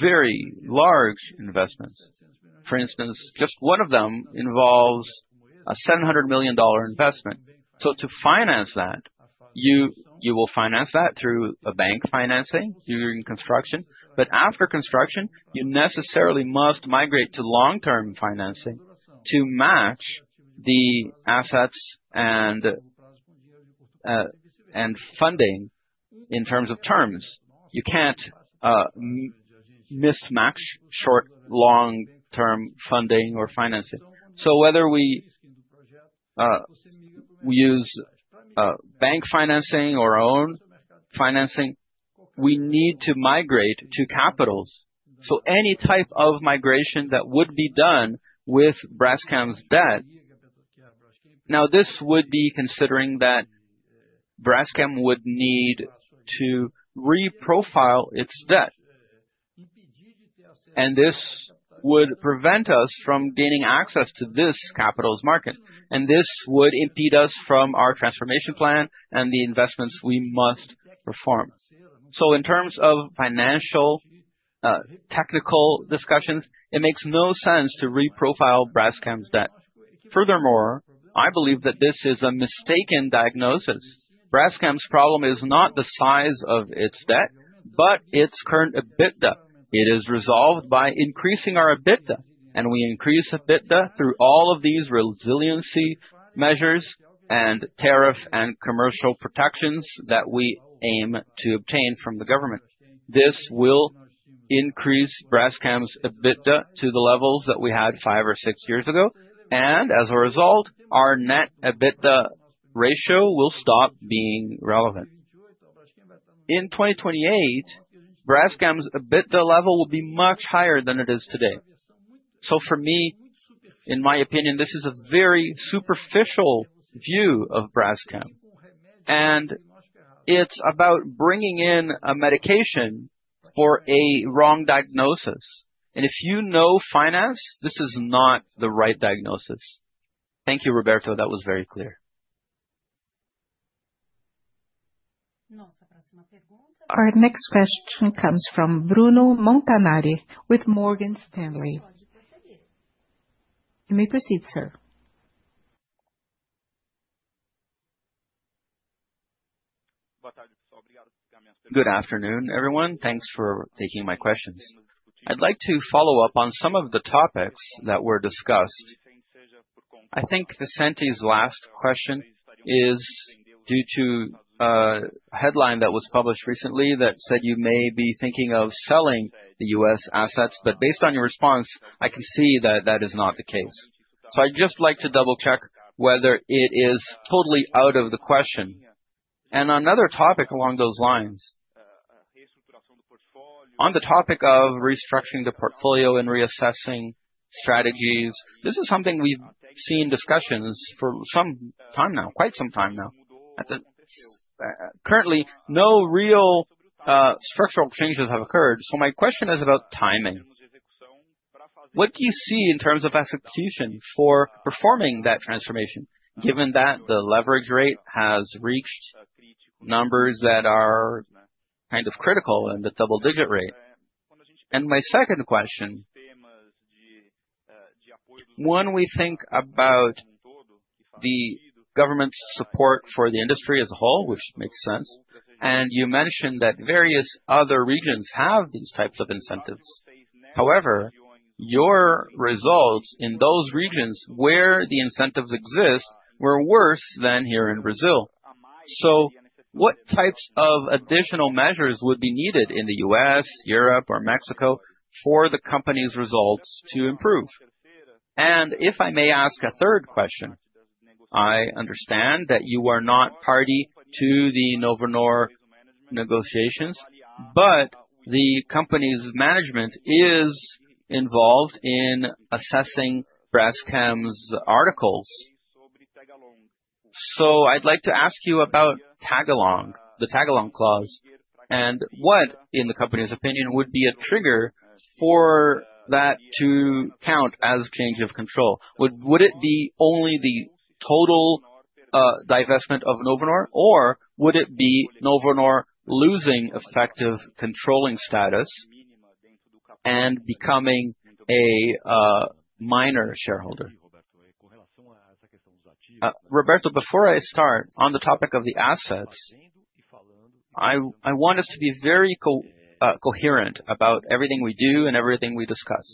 E: very large investments. For instance, just one of them involves a $700 million investment. To finance that, you will finance that through a bank financing during construction. After construction, you necessarily must migrate to long-term financing to match the assets and funding in terms of terms. You can't mismatch short, long-term funding or financing. Whether we use bank financing or our own financing, we need to migrate to capitals. Any type of migration that would be done with Braskem's debt. This would be considering that Braskem would need to reprofile its debt. This would prevent us from gaining access to this capital's market. This would impede us from our transformation plan and the investments we must perform. In terms of financial technical discussions, it makes no sense to reprofile Braskem's debt. Furthermore, I believe that this is a mistaken diagnosis. Braskem's problem is not the size of its debt, but its current EBITDA. It is resolved by increasing our EBITDA. We increase EBITDA through all of these resiliency measures and tariff and commercial protections that we aim to obtain from the government. This will increase Braskem's EBITDA to the levels that we had five or six years ago. As a result, our net EBITDA ratio will stop being relevant. In 2028, Braskem's EBITDA level will be much higher than it is today. For me, in my opinion, this is a very superficial view of Braskem. It's about bringing in a medication for a wrong diagnosis. If you know finance, this is not the right diagnosis.
G: Thank you, Roberto. That was very clear.
A: Our next question comes from Bruno Montanari with Morgan Stanley. You may proceed, sir.
H: Good afternoon, everyone. Thanks for taking my questions. I'd like to follow up on some of the topics that were discussed. I think Vicente's last question is due to a headline that was published recently that said you may be thinking of selling the U.S. assets. Based on your response, I can see that that is not the case. I'd just like to double-check whether it is totally out of the question. Another topic along those lines, on the topic of restructuring the portfolio and reassessing strategies, this is something we've seen discussions for some time now, quite some time now. Currently, no real structural changes have occurred. My question is about timing. What do you see in terms of expectation for performing that transformation, given that the leverage rate has reached numbers that are kind of critical and the double-digit rate? My second question, when we think about the government's support for the industry as a whole, which makes sense, and you mentioned that various other regions have these types of incentives. However, your results in those regions where the incentives exist were worse than here in Brazil. What types of additional measures would be needed in the U.S., Europe, or Mexico for the company's results to improve? If I may ask a third question, I understand that you are not party to the Novonor negotiations, but the company's management is involved in assessing Braskem's articles. I'd like to ask you about tagalong, the tagalong clause, and what in the company's opinion would be a trigger for that to count as change of control. Would it be only the total divestment of Novonor, or would it be Novonor losing effective controlling status and becoming a minor shareholder?
D: Roberto, before I start on the topic of the assets, I want us to be very coherent about everything we do and everything we discuss.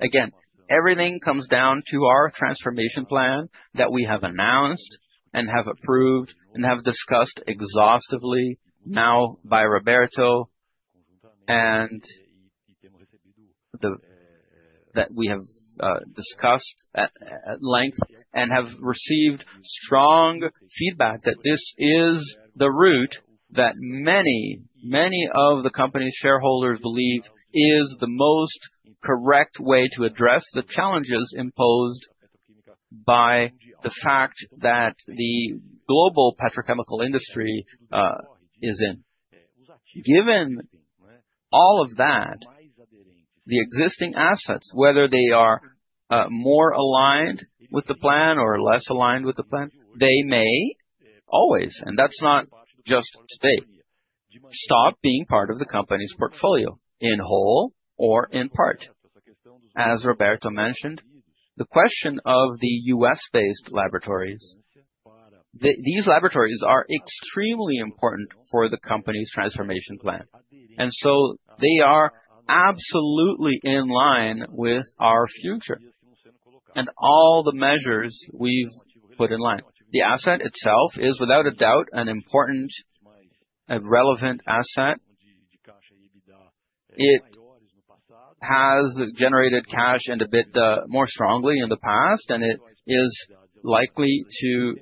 D: Again, everything comes down to our transformation plan that we have announced and have approved and have discussed exhaustively now by Roberto and that we have discussed at length and have received strong feedback that this is the route that many, many of the company's shareholders believe is the most correct way to address the challenges imposed by the fact that the global petrochemical industry is in. Given all of that, the existing assets, whether they are more aligned with the plan or less aligned with the plan, they may always, and that's not just today, stop being part of the company's portfolio in whole or in part. As Roberto mentioned, the question of the U.S.-based laboratories, these laboratories are extremely important for the company's transformation plan. They are absolutely in line with our future and all the measures we've put in line. The asset itself is, without a doubt, an important and relevant asset. It has generated cash and EBITDA more strongly in the past, and it is likely to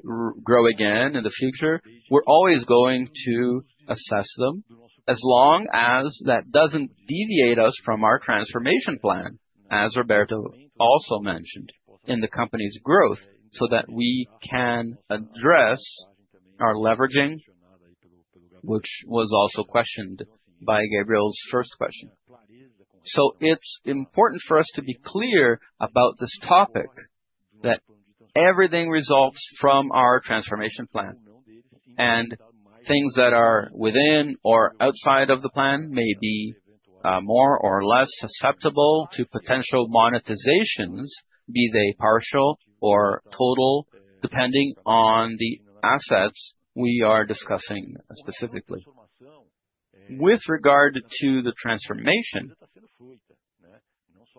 D: grow again in the future. We're always going to assess them as long as that doesn't deviate us from our transformation plan, as Roberto also mentioned, in the company's growth so that we can address our leverage, which was also questioned by Gabriel's first question. It's important for us to be clear about this topic that everything results from our transformation plan. Things that are within or outside of the plan may be more or less susceptible to potential monetizations, be they partial or total, depending on the assets we are discussing specifically. With regard to the transformation,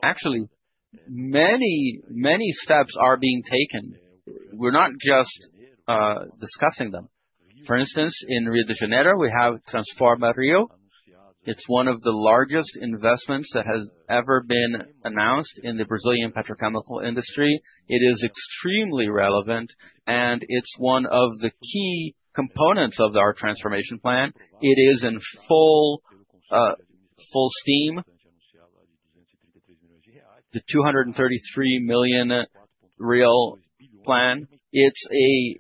D: actually, many, many steps are being taken. We're not just discussing them. For instance, in Rio de Janeiro, we have Transforma Rio. It's one of the largest investments that has ever been announced in the Brazilian petrochemical industry. It is extremely relevant, and it's one of the key components of our transformation plan. It is in full steam, the R$233 million plan. It's a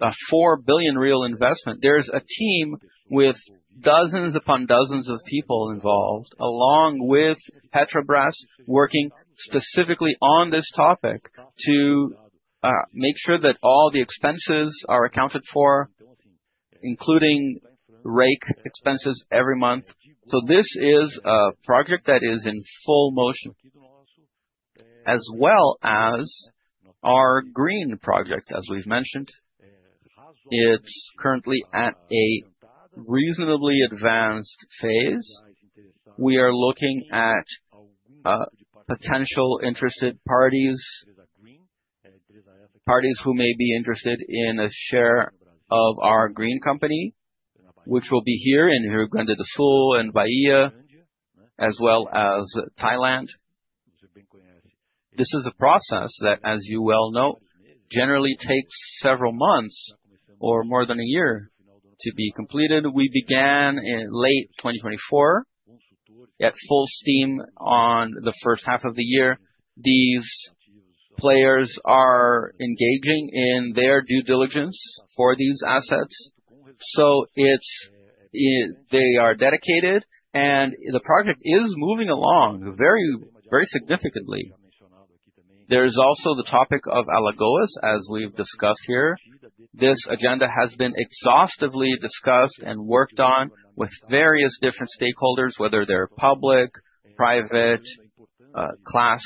D: R$4 billion investment. There's a team with dozens upon dozens of people involved, along with Petrobras, working specifically on this topic to make sure that all the expenses are accounted for, including REIQ expenses every month. This is a project that is in full motion, as well as our green project, as we've mentioned. It's currently at a reasonably advanced phase. We are looking at potential interested parties, parties who may be interested in a share of our green company, which will be here in Rio Grande do Sul and Bahia, as well as Thailand. This is a process that, as you well know, generally takes several months or more than a year to be completed. We began in late 2024 at full steam on the first half of the year. These players are engaging in their due diligence for these assets. They are dedicated, and the project is moving along very, very significantly. There's also the topic of Alagoas, as we've discussed here. This agenda has been exhaustively discussed and worked on with various different stakeholders, whether they're public, private, class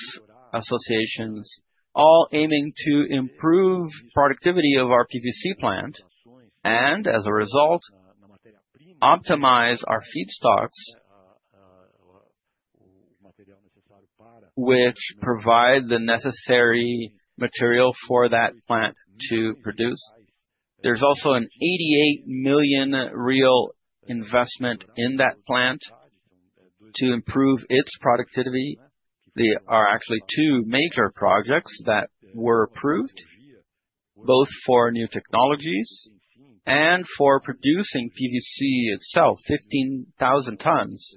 D: associations, all aiming to improve the productivity of our PVC plant and, as a result, optimize our feedstocks, which provide the necessary material for that plant to produce. There's also a R$88 million investment in that plant to improve its productivity. There are actually two major projects that were approved, both for new technologies and for producing PVC itself, 15,000 tons.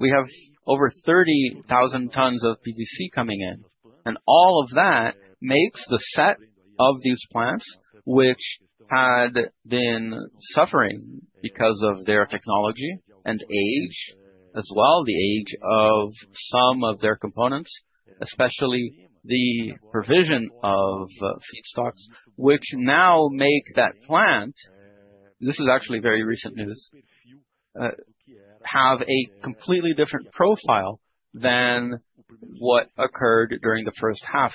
D: We have over 30,000 tons of PVC coming in. All of that makes the set of these plants, which had been suffering because of their technology and age, as well as the age of some of their components, especially the provision of feedstocks, which now make that plant—this is actually very recent news—have a completely different profile than what occurred during the first half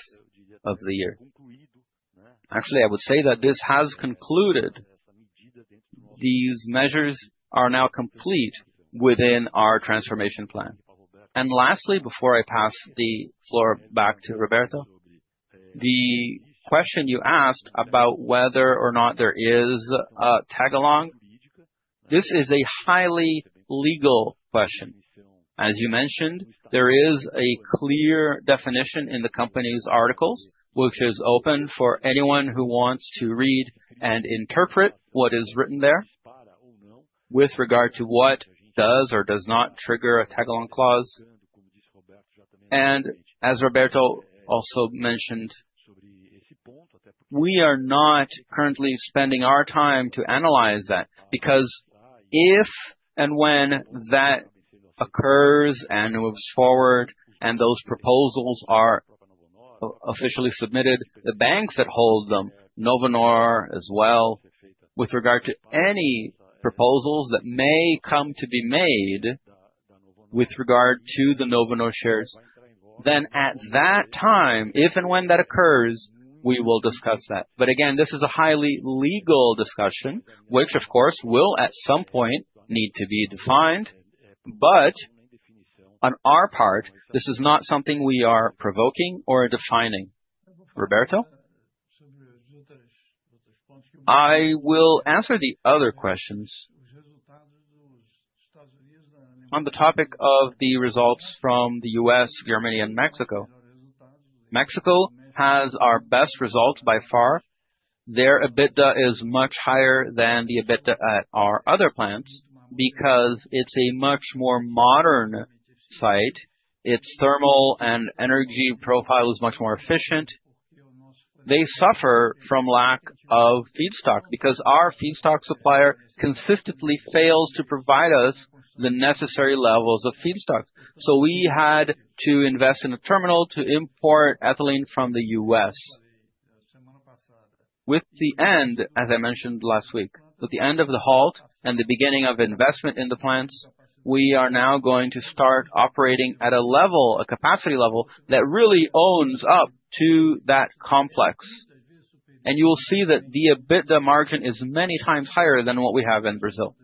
D: of the year. I would say that this has concluded. These measures are now complete within our transformation plan. Lastly, before I pass the floor back to Roberto, the question you asked about whether or not there is a tagalong, this is a highly legal question. As you mentioned, there is a clear definition in the company's articles, which is open for anyone who wants to read and interpret what is written there, with regard to what does or does not trigger a tagalong clause. As Roberto also mentioned, we are not currently spending our time to analyze that because if and when that occurs and moves forward and those proposals are officially submitted, the banks that hold them, Novonor as well, with regard to any proposals that may come to be made with regard to the Novonor shares, at that time, if and when that occurs, we will discuss that. This is a highly legal discussion, which, of course, will at some point need to be defined. On our part, this is not something we are provoking or defining. Roberto?
E: I will answer the other questions on the topic of the results from the U.S., Germany, and Mexico. Mexico has our best results by far. Their EBITDA is much higher than the EBITDA at our other plants because it's a much more modern site. Its thermal and energy profile is much more efficient. They suffer from lack of feedstock because our feedstock supplier consistently fails to provide us the necessary levels of feedstock. We had to invest in a terminal to import ethylene from the U.S. With the end, as I mentioned last week, with the end of the halt and the beginning of investment in the plants, we are now going to start operating at a level, a capacity level that really owns up to that complex. You will see that the EBITDA margin is many times higher than what we have in Brazil.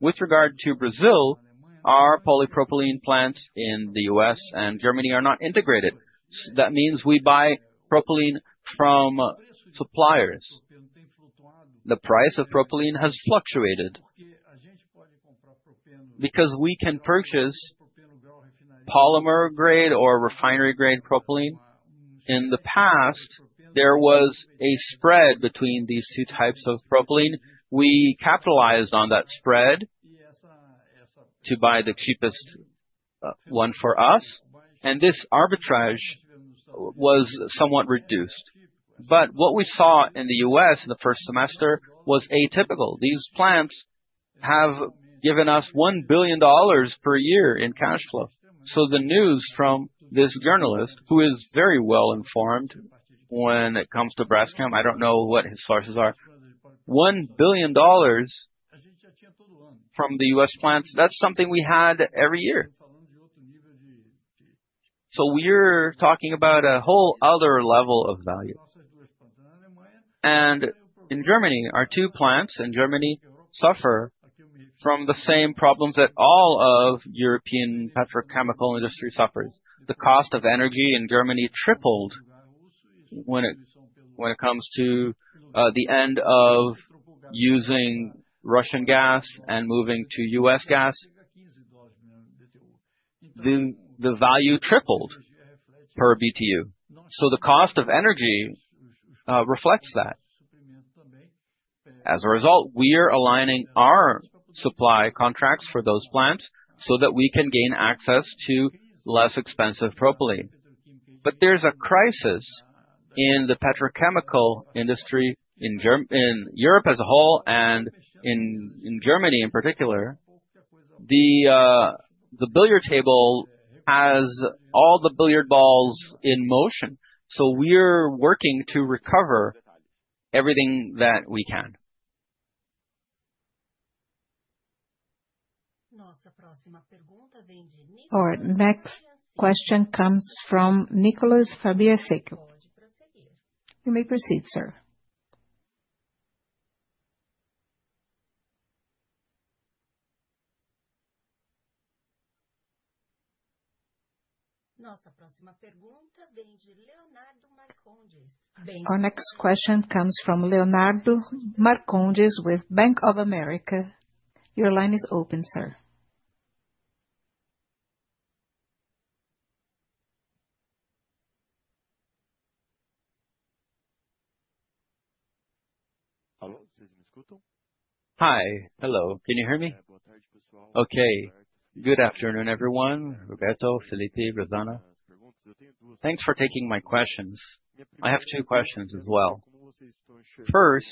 E: With regard to Brazil, our polypropylene plants in the U.S. and Germany are not integrated. That means we buy propylene from suppliers. The price of propylene has fluctuated because we can purchase polymer-grade or refinery-grade propylene. In the past, there was a spread between these two types of propylene. We capitalized on that spread to buy the cheapest one for us. This arbitrage was somewhat reduced. What we saw in the U.S. in the first semester was atypical. These plants have given us $1 billion per year in cash flow. The news from this journalist, who is very well informed when it comes to Braskem, I don't know what his sources are, $1 billion from the U.S. plants, that's something we had every year. We're talking about a whole other level of value. In Germany, our two plants in Germany suffer from the same problems that all of the European petrochemical industry suffers. The cost of energy in Germany tripled when it comes to the end of using Russian gas and moving to U.S. gas. The value tripled per BTU. The cost of energy reflects that. As a result, we are aligning our supply contracts for those plants so that we can gain access to less expensive propylene. There's a crisis in the petrochemical industry in Europe as a whole and in Germany in particular. The billiard table has all the billiard balls in motion. We're working to recover everything that we can.
A: Our next question comes from Nicholas Faber-Sachs. You may proceed, sir. Our next question comes from Leonardo Marcondes with Bank of America. Your line is open, sir.
I: Hi, hello. Can you hear me? Ok. Good afternoon, everyone. Roberto, Felipe, Rosana. Thanks for taking my questions. I have two questions as well. First,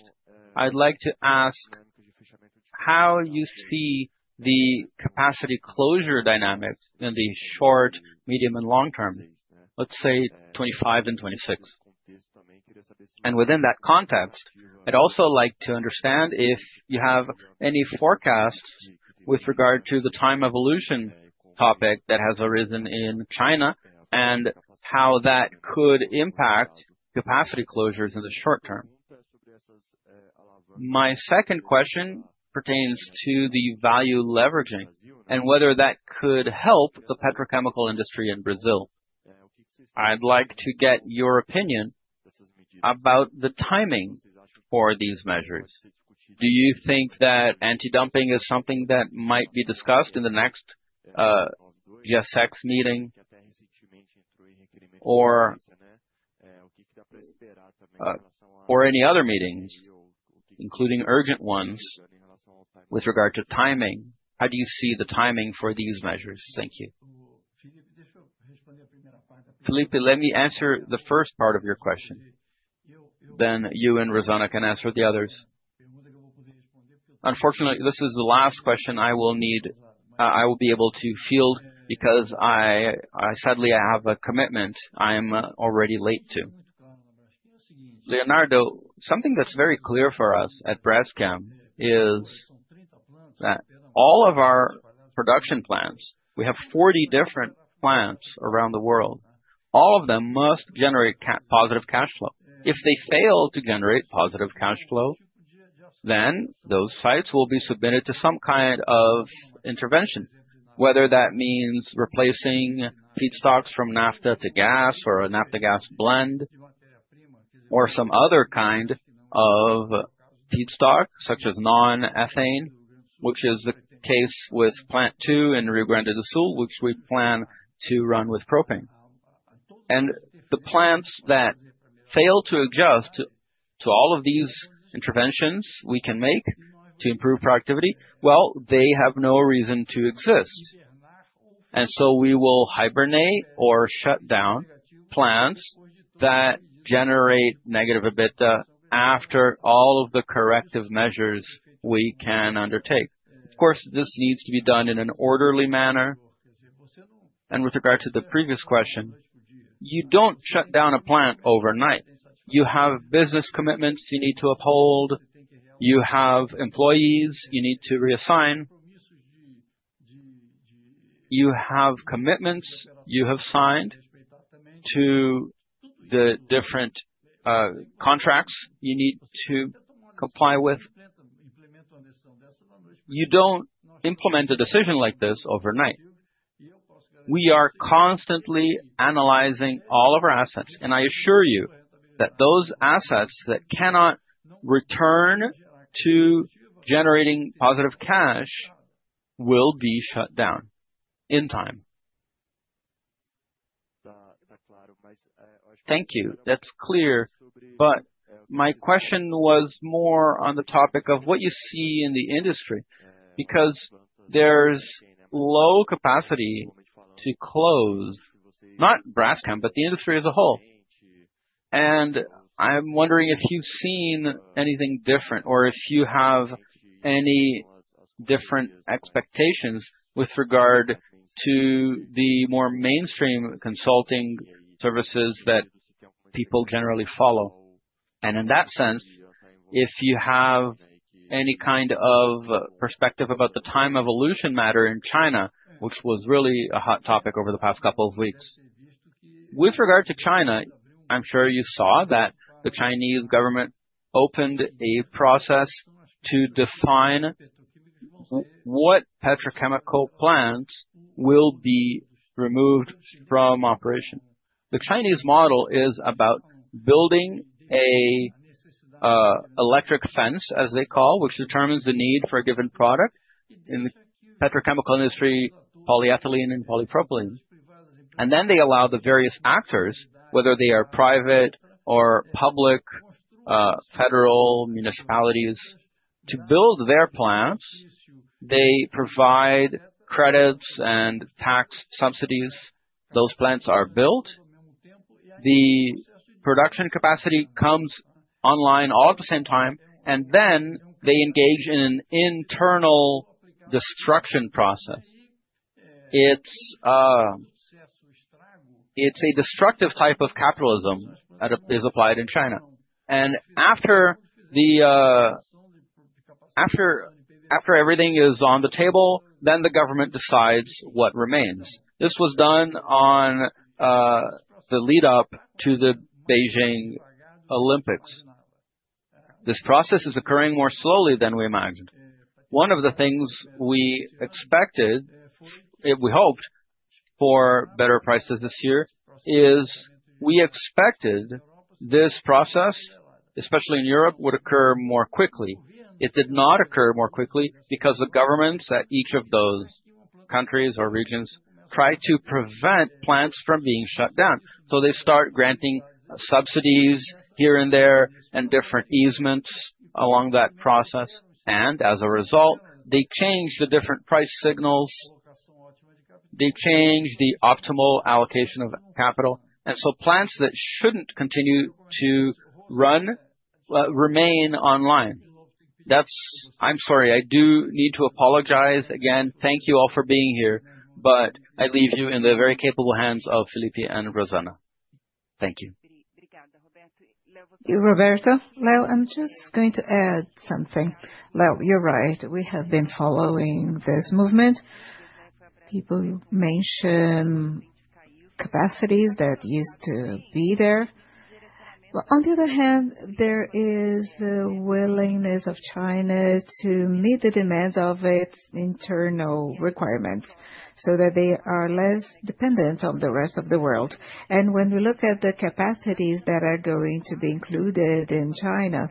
I: I'd like to ask how you see the capacity closure dynamics in the short, medium, and long term, let's say 2025 and 2026. Within that context, I'd also like to understand if you have any forecasts with regard to the time evolution topic that has arisen in China and how that could impact capacity closures in the short term. My second question pertains to the value leveraging and whether that could help the petrochemical industry in Brazil. I'd like to get your opinion about the timing for these measures. Do you think that anti-dumping is something that might be discussed in the next GSX meeting or any other meetings, including urgent ones, with regard to timing? How do you see the timing for these measures? Thank you.
E: Felipe, let me answer the first part of your question. You and Rosana can answer the others. Unfortunately, this is the last question I will be able to field because I sadly have a commitment I am already late to. Leonardo, something that's very clear for us at Braskem is that all of our production plants, we have 40 different plants around the world. All of them must generate positive cash flow. If they fail to generate positive cash flow, then those sites will be submitted to some kind of intervention, whether that means replacing feedstocks from naphtha to gas or a naphtha-gas blend or some other kind of feedstock, such as non-ethane, which is the case with Plant 2 in Rio Grande do Sul, which we plan to run with propane. The plants that fail to adjust to all of these interventions we can make to improve productivity, well, they have no reason to exist. We will hibernate or shut down plants that generate negative EBITDA after all of the corrective measures we can undertake. Of course, this needs to be done in an orderly manner. With regard to the previous question, you don't shut down a plant overnight. You have business commitments you need to uphold. You have employees you need to reassign. You have commitments you have signed to the different contracts you need to comply with. You don't implement a decision like this overnight. We are constantly analyzing all of our assets. I assure you that those assets that cannot return to generating positive cash will be shut down in time.
I: Thank you. That's clear. My question was more on the topic of what you see in the industry, because there's low capacity to close, not Braskem, but the industry as a whole. I'm wondering if you've seen anything different or if you have any different expectations with regard to the more mainstream consulting services that people generally follow. In that sense, if you have any kind of perspective about the time evolution matter in China, which was really a hot topic over the past couple of weeks.
E: With regard to China, I'm sure you saw that the Chinese government opened a process to define what petrochemical plants will be removed from operation. The Chinese model is about building an electric fence, as they call, which determines the need for a given product in the petrochemical industry, polyethylene and polypropylene. They allow the various actors, whether they are private or public, federal, municipalities, to build their plants. They provide credits and tax subsidies. Those plants are built. The production capacity comes online all at the same time. They engage in an internal destruction process. It's a destructive type of capitalism that is applied in China. After everything is on the table, the government decides what remains. This was done on the lead-up to the Beijing Olympics. This process is occurring more slowly than we imagined. One of the things we expected, we hoped, for better prices this year is we expected this process, especially in Europe, would occur more quickly. It did not occur more quickly because the governments at each of those countries or regions tried to prevent plants from being shut down. They start granting subsidies here and there and different easements along that process. As a result, they change the different price signals. They change the optimal allocation of capital. Plants that shouldn't continue to run remain online. I'm sorry. I do need to apologize again. Thank you all for being here. I leave you in the very capable hands of Felipe and Rosana. Thank you.
B: Roberto, I'm just going to add something. You're right. We have been following this movement. People mention capacities that used to be there. On the other hand, there is a willingness of China to meet the demands of its internal requirements so that they are less dependent on the rest of the world. When we look at the capacities that are going to be included in China,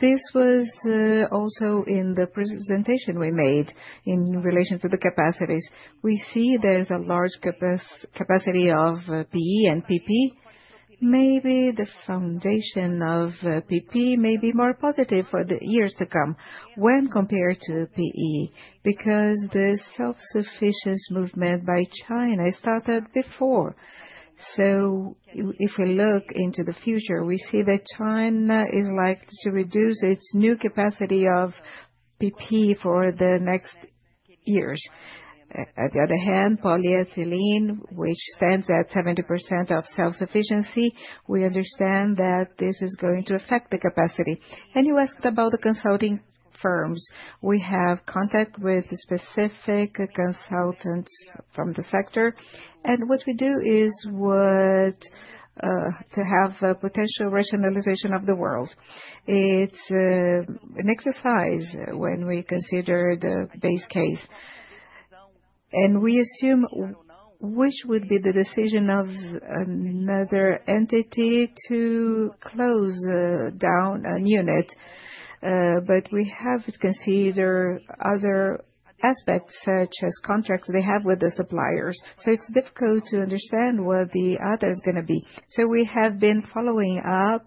B: this was also in the presentation we made in relation to the capacities. We see there's a large capacity of PE and PP. Maybe the foundation of PP may be more positive for the years to come when compared to PE because the self-sufficiency movement by China started before. If we look into the future, we see that China is likely to reduce its new capacity of PP for the next years. On the other hand, polyethylene, which stands at 70% of self-sufficiency, we understand that this is going to affect the capacity. You asked about the consulting firms. We have contact with specific consultants from the sector. What we do is to have a potential rationalization of the world. It's an exercise when we consider the base case. We assume which would be the decision of another entity to close down a unit. We have to consider other aspects, such as contracts they have with the suppliers. It's difficult to understand what the other is going to be. We have been following up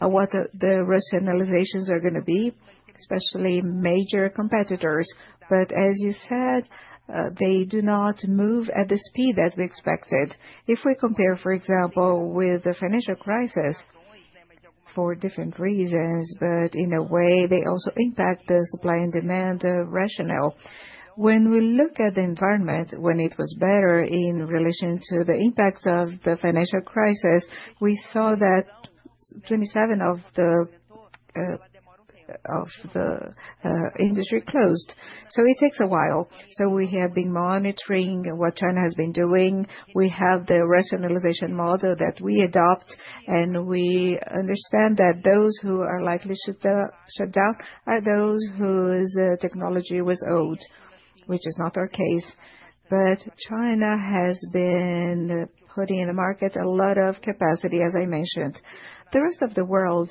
B: on what the rationalizations are going to be, especially major competitors. As you said, they do not move at the speed that we expected. If we compare, for example, with the financial crisis, for different reasons, but in a way, they also impact the supply and demand rationale. When we look at the environment, when it was better in relation to the impacts of the financial crisis, we saw that 27% of the industry closed. It takes a while. We have been monitoring what China has been doing. We have the rationalization model that we adopt. We understand that those who are likely to shut down are those whose technology was old, which is not our case. China has been putting in the market a lot of capacity, as I mentioned. The rest of the world,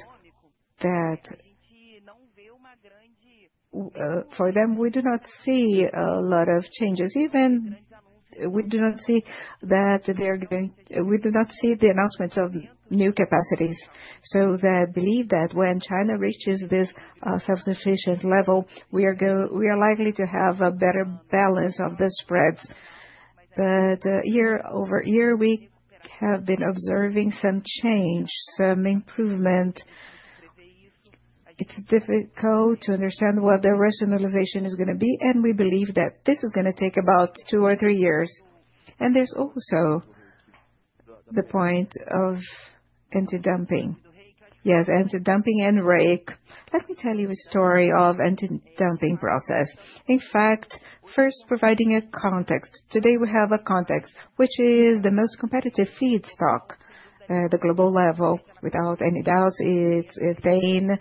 B: for them, we do not see a lot of changes. Even we do not see that they are going to, we do not see the announcements of new capacities. I believe that when China reaches this self-sufficient level, we are likely to have a better balance of the spreads. Year-over-year, we have been observing some change, some improvement. It's difficult to understand what the rationalization is going to be. We believe that this is going to take about two or three years. There's also the point of anti-dumping. Yes, anti-dumping and REIQ. Let me tell you a story of the anti-dumping process. In fact, first providing a context. Today, we have a context, which is the most competitive feedstock at the global level. Without any doubt, it's ethane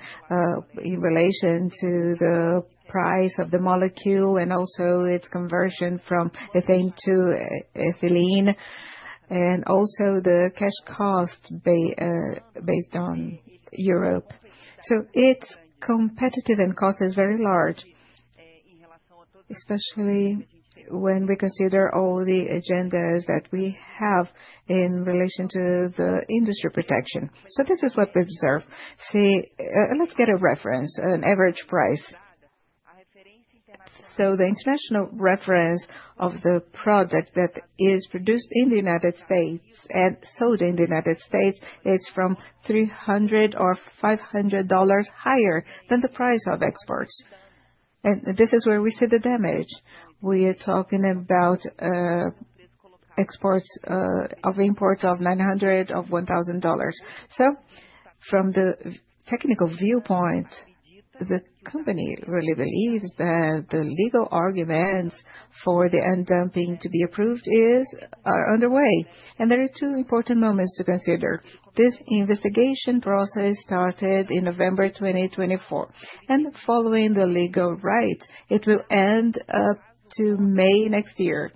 B: in relation to the price of the molecule and also its conversion from ethane to ethylene, and also the cash cost based on Europe. It's competitive and cost is very large, especially when we consider all the agendas that we have in relation to the industry protection. This is what we observe. Let's get a reference, an average price. The international reference of the product that is produced in the United States and sold in the United States, it's from $300 or $500 higher than the price of exports. This is where we see the damage. We are talking about exports of imports of $900 or $1,000. From the technical viewpoint, the company really believes that the legal arguments for the anti-dumping to be approved are underway. There are two important moments to consider. This investigation process started in November 2024. Following the legal rights, it will end up to May next year.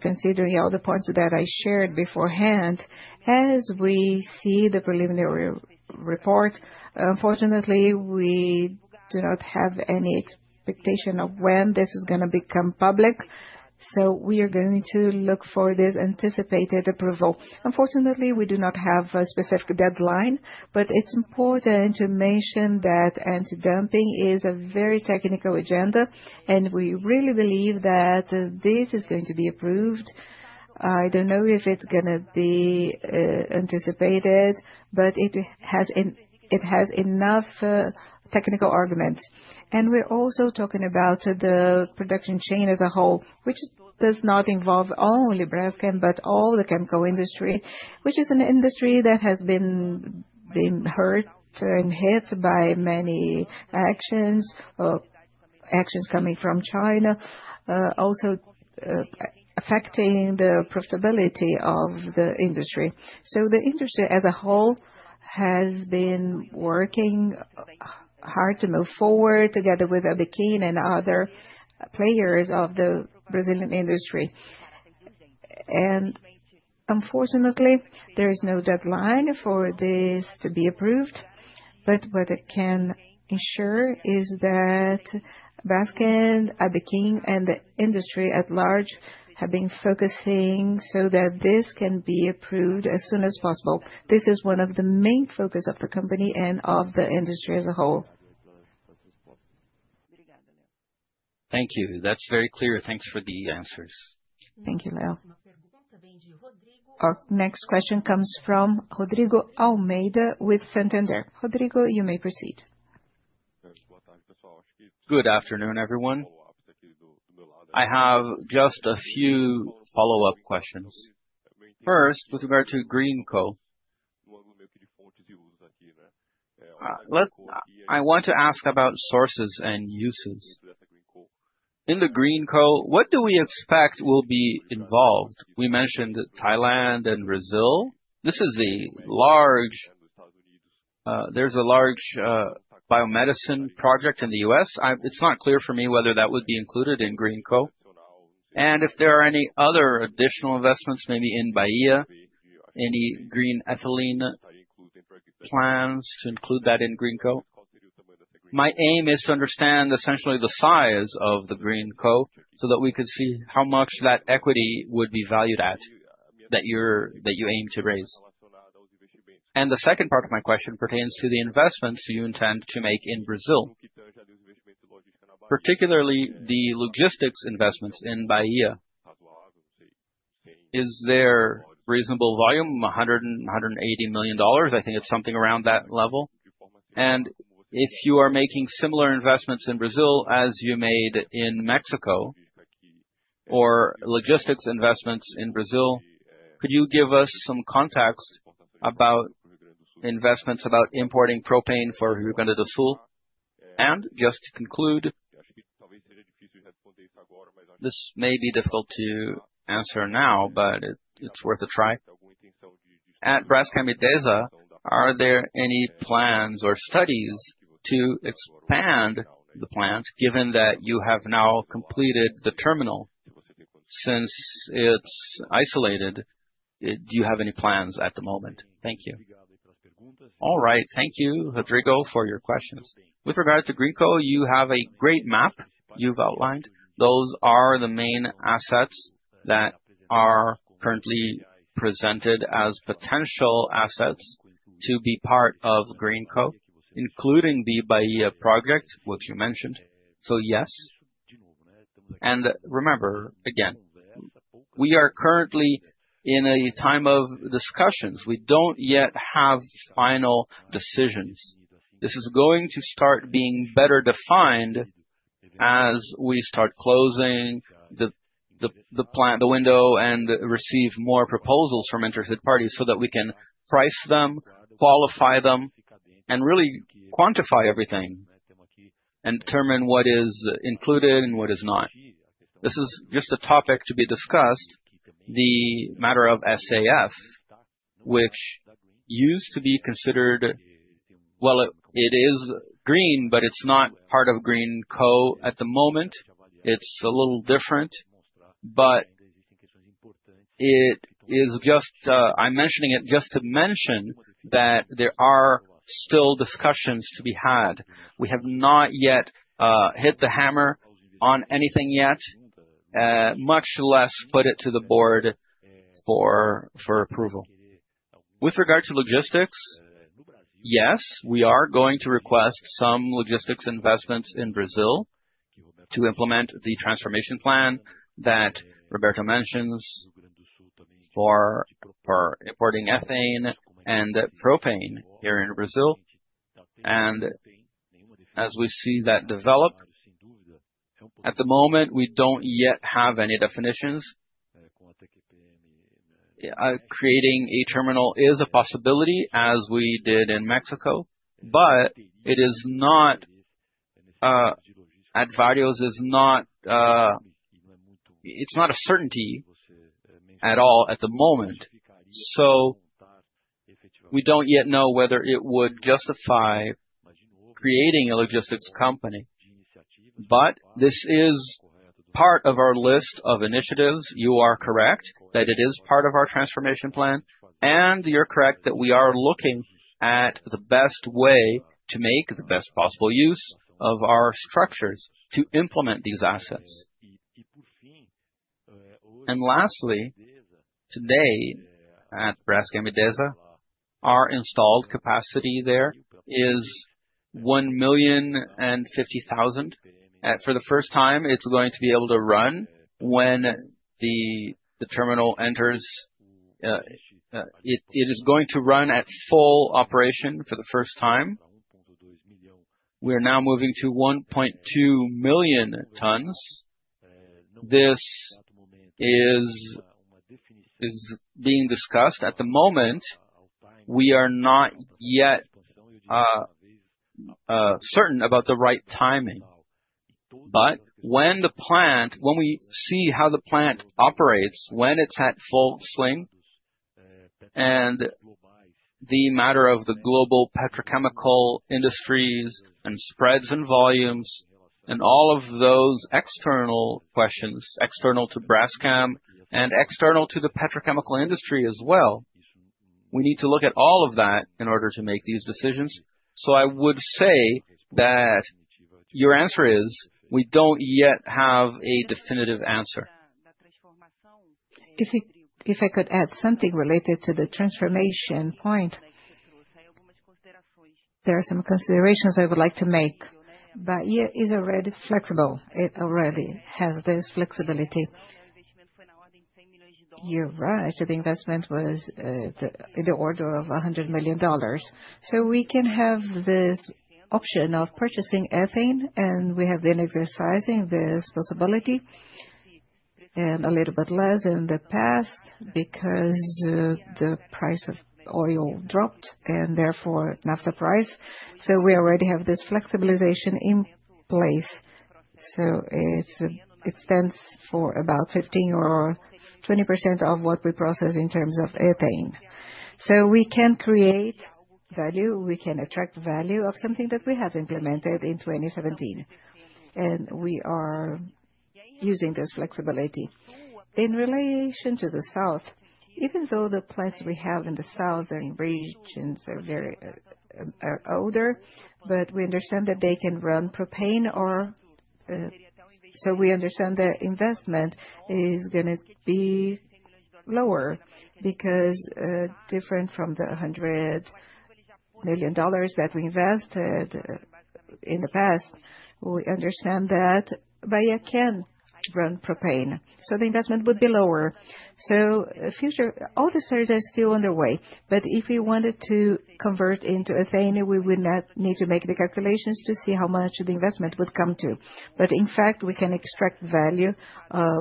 B: Considering all the points that I shared beforehand, as we see the preliminary report, unfortunately, we do not have any expectation of when this is going to become public. We are going to look for this anticipated approval. Unfortunately, we do not have a specific deadline, but it's important to mention that anti-dumping is a very technical agenda. We really believe that this is going to be approved. I don't know if it's going to be anticipated, but it has enough technical arguments. We're also talking about the production chain as a whole, which does not involve only Braskem, but all the chemical industry, which is an industry that has been hurt and hit by many actions or actions coming from China, also affecting the profitability of the industry. The industry as a whole has been working hard to move forward together with ABC and other players of the Brazilian industry. Unfortunately, there is no deadline for this to be approved. What I can ensure is that Braskem, ABC, and the industry at large have been focusing so that this can be approved as soon as possible. This is one of the main focuses of the company and of the industry as a whole.
I: Thank you. That's very clear. Thanks for the answers.
E: Thank you, Leo.
A: Our next question comes from Rodrigo Almeida with Santander. Rodrigo, you may proceed.
J: Good afternoon, everyone. I have just a few follow-up questions. First, with regard to green coal. I want to ask about sources and uses. In the green coal, what do we expect will be involved? We mentioned Thailand and Brazil. This is a large, there's a large biomedicine project in the U.S. It's not clear for me whether that would be included in green coal. If there are any other additional investments, maybe in Bahia, any green ethylene plans to include that in green coal. My aim is to understand essentially the size of the green coal so that we could see how much that equity would be valued at that you aim to raise. The second part of my question pertains to the investments you intend to make in Brazil, particularly the logistics investments in Bahia. Is there reasonable volume? $180 million. I think it's something around that level. If you are making similar investments in Brazil as you made in Mexico or logistics investments in Brazil, could you give us some context about investments about importing propane for Rio Grande do Sul? Just to conclude, this may be difficult to answer now, but it's worth a try. At Braskem Idesa, are there any plans or studies to expand the plant given that you have now completed the terminal? Since it's isolated, do you have any plans at the moment? Thank you.
D: All right. Thank you, Rodrigo, for your questions. With regard to green coal, you have a great map you've outlined. Those are the main assets that are currently presented as potential assets to be part of green goal, including the Bahia project, which you mentioned. Yes. Remember, again, we are currently in a time of discussions. We don't yet have final decisions. This is going to start being better defined as we start closing the plant window and receive more proposals from interested parties so that we can price them, qualify them, and really quantify everything and determine what is included and what is not. This is just a topic to be discussed. The matter of SAF, which used to be considered, it is green, but it's not part of green coal at the moment. It's a little different. I am mentioning it just to mention that there are still discussions to be had. We have not yet hit the hammer on anything yet, much less put it to the board for approval. With regard to logistics, yes, we are going to request some logistics investments in Brazil to implement the transformation plan that Roberto mentions for importing ethane and propane here in Brazil. As we see that develop, at the moment, we don't yet have any definitions. Creating a terminal is a possibility as we did in Mexico, but it is not a certainty at all at the moment. We don't yet know whether it would justify creating a logistics company. This is part of our list of initiatives. You are correct that it is part of our transformation plan. You're correct that we are looking at the best way to make the best possible use of our structures to implement these assets. Lastly, today at Braskem Idesa, our installed capacity there is 1.05 million. For the first time, it's going to be able to run when the terminal enters. It is going to run at full operation for the first time. We are now moving to 1.2 million tons. This is being discussed. At the moment, we are not yet certain about the right timing. When we see how the plant operates, when it's at full swing, and the matter of the global petrochemical industries and spreads and volumes and all of those external questions, external to Braskem and external to the petrochemical industry as well, we need to look at all of that in order to make these decisions. I would say that your answer is we don't yet have a definitive answer.
B: If I could add something related to the transformation point, there are some considerations I would like to make. Bahia is already flexible. It already has this flexibility. You're right. The investment was in the order of $100 million. We can have this option of purchasing ethane, and we have been exercising this possibility a little bit less in the past because the price of oil dropped and therefore naphtha price. We already have this flexibilization in place. It stands for about 15% or 20% of what we process in terms of ethane. We can create value. We can attract value of something that we have implemented in 2017, and we are using this flexibility. In relation to the south, even though the plants we have in the southern regions are very older, we understand that they can run propane or. We understand the investment is going to be lower because different from the $100 million that we invested in the past. We understand that Bahia can run propane, so the investment would be lower. Future, all the studies are still underway. If we wanted to convert into ethane, we would need to make the calculations to see how much the investment would come to. In fact, we can extract value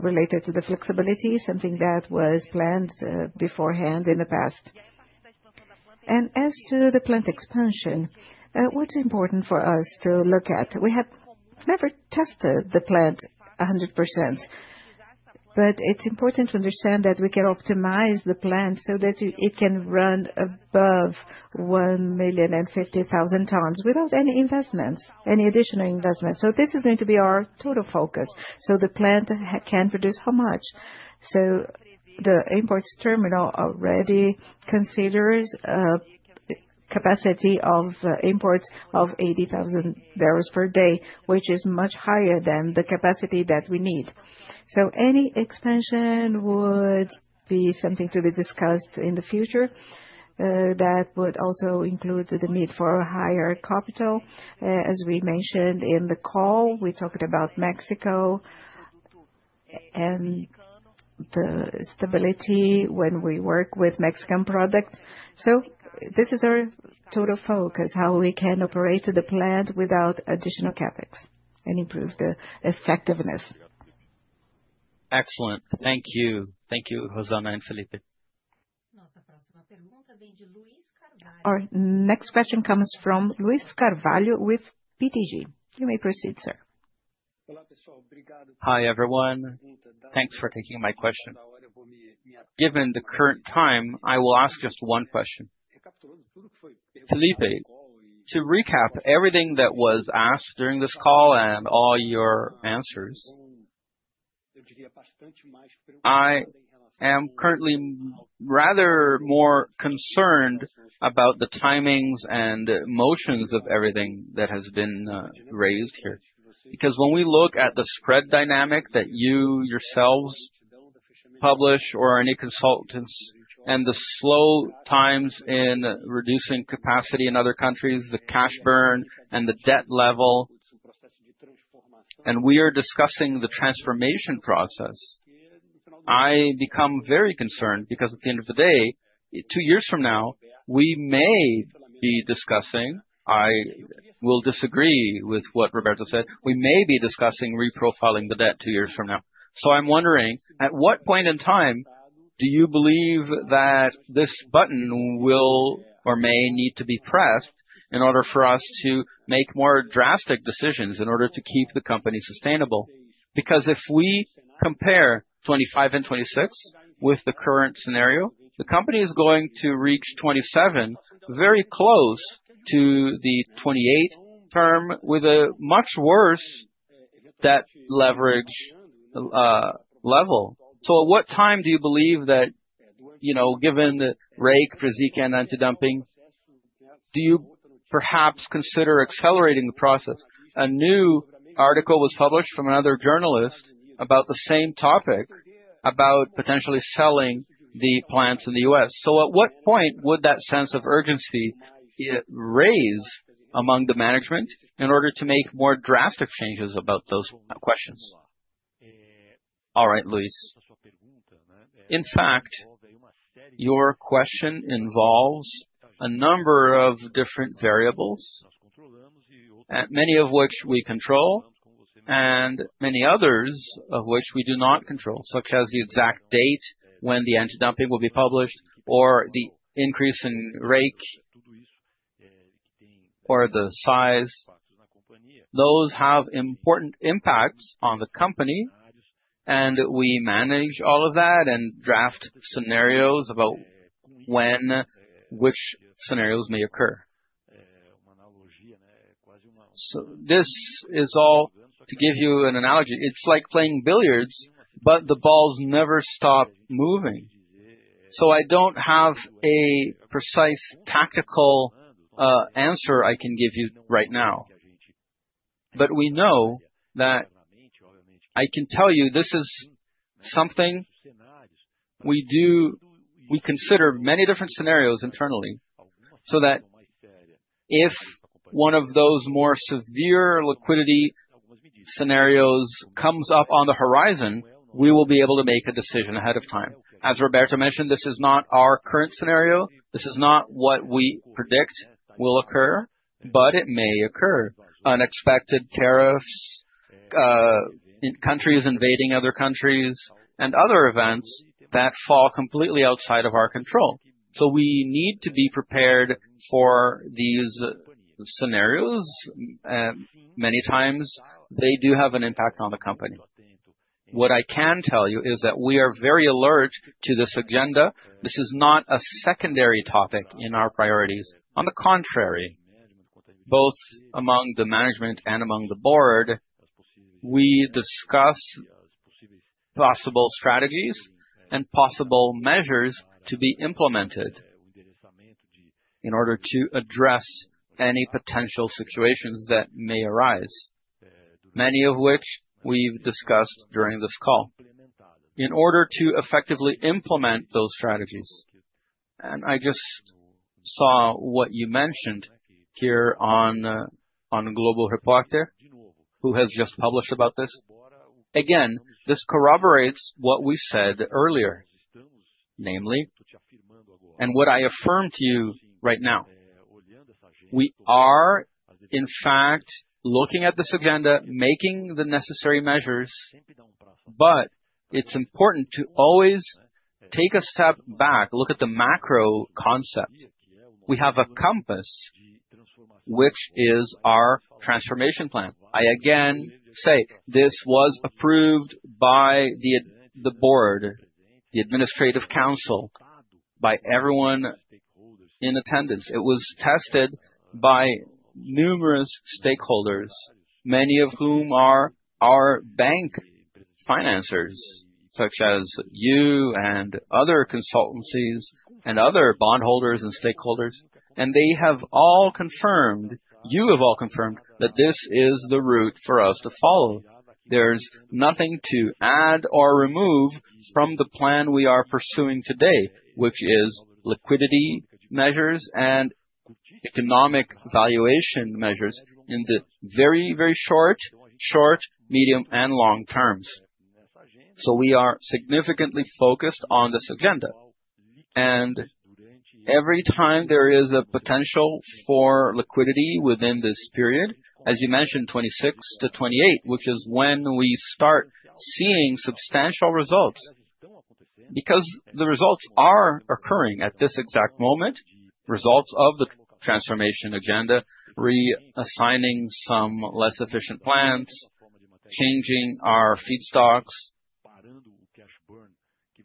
B: related to the flexibility, something that was planned beforehand in the past. As to the plant expansion, what's important for us to look at? We have never tested the plant 100%. It's important to understand that we can optimize the plant so that it can run above 1.05 million tons without any investments, any additional investments. This is going to be our total focus. The plant can produce how much? The imports terminal already considers a capacity of imports of 80,000 bbls per day, which is much higher than the capacity that we need. Any expansion would be something to be discussed in the future. That would also include the need for a higher capital. As we mentioned in the call, we talked about Mexico and the stability when we work with Mexican products. This is our total focus, how we can operate the plant without additional CapEx and improve the effectiveness.
J: Excellent. Thank you. Thank you, Rosana and Felipe.
A: Our next question comes from Luiz Carvalho with BTG. You may proceed, sir.
K: Hi, everyone. Thanks for taking my question. Given the current time, I will ask just one question. Felipe, to recap everything that was asked during this call and all your answers, I am currently rather more concerned about the timings and the emotions of everything that has been raised here. Because when we look at the spread dynamic that you yourselves publish or any consultants and the slow times in reducing capacity in other countries, the cash burn and the debt level, and we are discussing the transformation process, I become very concerned because at the end of the day, two years from now, we may be discussing, I will disagree with what Roberto said, we may be discussing reprofiling the debt two years from now. I'm wondering, at what point in time do you believe that this button will or may need to be pressed in order for us to make more drastic decisions in order to keep the company sustainable? If we compare 2025 and 2026 with the current scenario, the company is going to reach 2027, very close to the 2028 term, with a much worse debt leverage level. At what time do you believe that, you know, given the REIQ, Braskem, and anti-dumping, do you perhaps consider accelerating the process? A new article was published from another journalist about the same topic, about potentially selling the plants in the U.S. At what point would that sense of urgency raise among the management in order to make more drastic changes about those questions?
D: All right, Luiz. In fact, your question involves a number of different variables, many of which we control, and many others of which we do not control, such as the exact date when the anti-dumping will be published or the increase in REIQ, or the size of the plant. Those have important impacts on the company, and we manage all of that and draft scenarios about when which scenarios may occur. To give you an analogy, it's like playing billiards, but the balls never stop moving. I don't have a precise tactical answer I can give you right now. We know that I can tell you this is something we do, we consider many different scenarios internally so that if one of those more severe liquidity scenarios comes up on the horizon, we will be able to make a decision ahead of time. As Roberto mentioned, this is not our current scenario. This is not what we predict will occur, but it may occur. Unexpected tariffs, countries invading other countries, and other events that fall completely outside of our control. We need to be prepared for these scenarios. Many times, they do have an impact on the company. What I can tell you is that we are very alert to this agenda. This is not a secondary topic in our priorities. On the contrary, both among the management and among the board, we discuss possible strategies and possible measures to be implemented in order to address any potential situations that may arise, many of which we've discussed during this call, in order to effectively implement those strategies. I just saw what you mentioned here on Global Reporter, who has just published about this. This corroborates what we said earlier, namely, and what I affirmed to you right now. We are, in fact, looking at this agenda, making the necessary measures. It's important to always take a step back, look at the macro concept. We have a compass, which is our transformation plan. I again say this was approved by the board, the administrative council, by everyone in attendance. It was tested by numerous stakeholders, many of whom are our bank financers, such as you and other consultancies and other bondholders and stakeholders. They have all confirmed, you have all confirmed that this is the route for us to follow. There's nothing to add or remove from the plan we are pursuing today, which is liquidity measures and economic valuation measures in the very, very short, short, medium, and long terms. We are significantly focused on this agenda. Every time there is a potential for liquidity within this period, as you mentioned, 2026-2028, which is when we start seeing substantial results. The results are occurring at this exact moment, results of the transformation agenda, reassigning some less efficient plants, changing our feedstocks,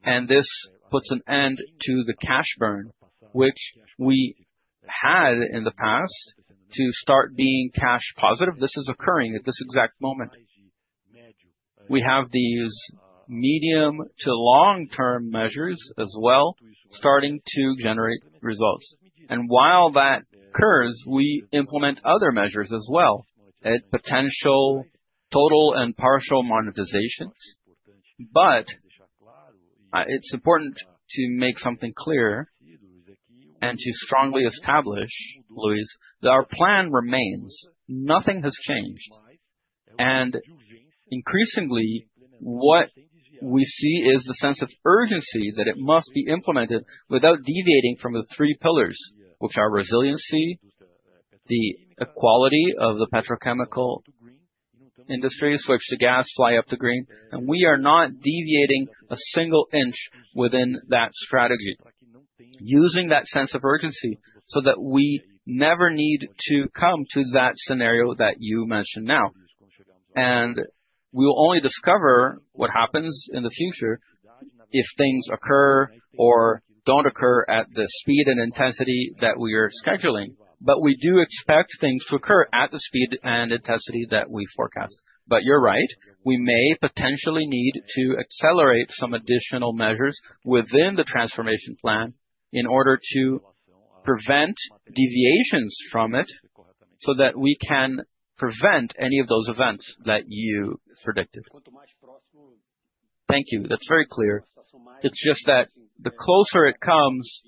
D: and this puts an end to the cash burn, which we had in the past to start being cash positive. This is occurring at this exact moment. We have these medium to long-term measures as well, starting to generate results. While that occurs, we implement other measures as well, at potential total and partial monetizations. It's important to make something clear and to strongly establish, Luiz, that our plan remains. Nothing has changed. Increasingly, what we see is the sense of urgency that it must be implemented without deviating from the three pillars, which are resiliency, the equality of the petrochemical industries, which the gas fly up the green. We are not deviating a single inch within that strategy, using that sense of urgency so that we never need to come to that scenario that you mentioned now. We will only discover what happens in the future if things occur or don't occur at the speed and intensity that we are scheduling. We do expect things to occur at the speed and intensity that we forecast. You're right. We may potentially need to accelerate some additional measures within the transformation plan in order to prevent deviations from it so that we can prevent any of those events that you predicted.
K: Thank you. That's very clear. It's just that the closer it comes,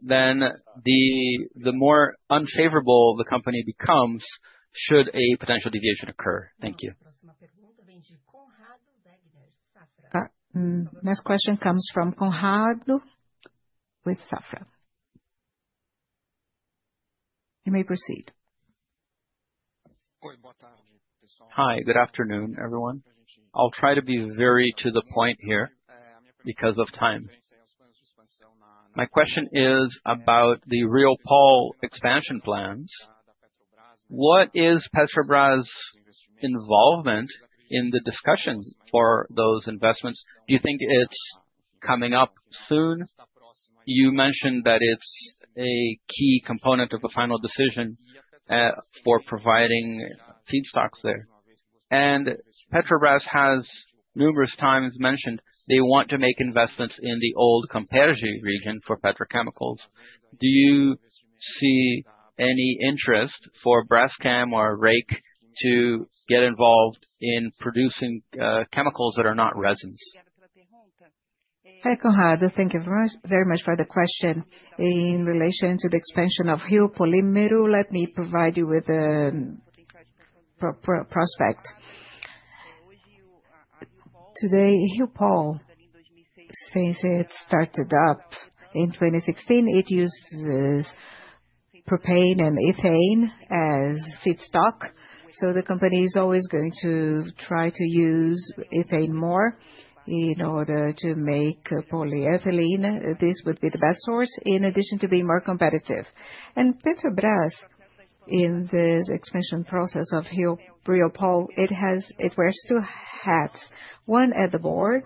K: then the more unfavorable the company becomes should a potential deviation occur. Thank you.
A: Next question comes from Conrado with Safra. You may proceed.
L: Hi. Good afternoon, everyone. I'll try to be very to the point here because of time. My question is about the Riopol expansion plans. What is Petrobras' involvement in the discussions for those investments? Do you think it's coming up soon? You mentioned that it's a key component of the final decision for providing feedstocks there. Petrobras has numerous times mentioned they want to make investments in the old competetive region for petrochemicals. Do you see any interest for Braskem or REIQ to get involved in producing chemicals that are not resins?
B: Hi Conrado. Thank you very much for the question. In relation to the expansion of Riopol, let me provide you with a prospect. Today, Riopol, since it started up in 2016, uses propane and ethane as feedstock. The company is always going to try to use ethane more in order to make polyethylene. This would be the best source, in addition to being more competitive. Petrobras, in this expansion process of Riopol, wears two hats, one at the board,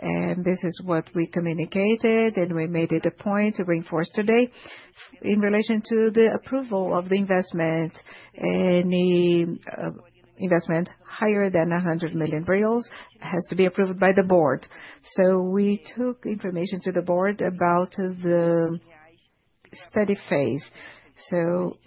B: and this is what we communicated and we made it a point to reinforce today. In relation to the approval of the investment, any investment higher than R$100 million has to be approved by the board. We took information to the board about the study phase.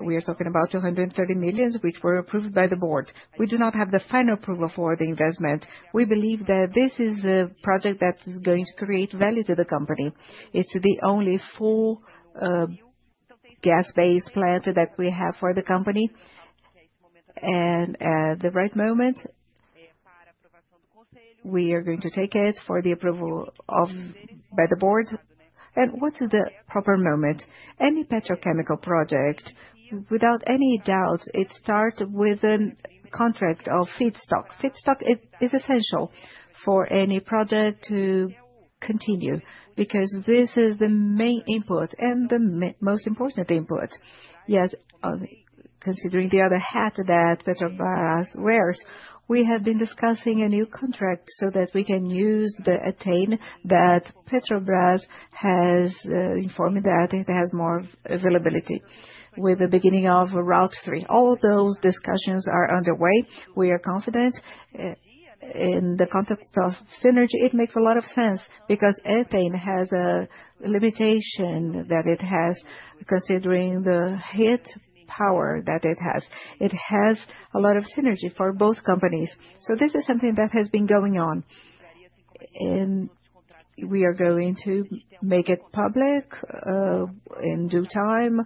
B: We are talking about $230 million, which were approved by the board. We do not have the final approval for the investments. We believe that this is a project that's going to create value to the company. It's the only full gas-based plant that we have for the company. At the right moment, we are going to take it for the approval by the board. What's the proper moment? Any petrochemical project, without any doubt, starts with a contract of feedstock. Feedstock is essential for any project to continue because this is the main input and the most important input. Yes, considering the other hat that Petrobras wears, we have been discussing a new contract so that we can use the ethane that Petrobras has informed that it has more availability with the beginning of Route 3. All those discussions are underway. We are confident in the context of synergy. It makes a lot of sense because ethane has a limitation that it has, considering the heat power that it has. It has a lot of synergy for both companies. This is something that has been going on. We are going to make it public in due time.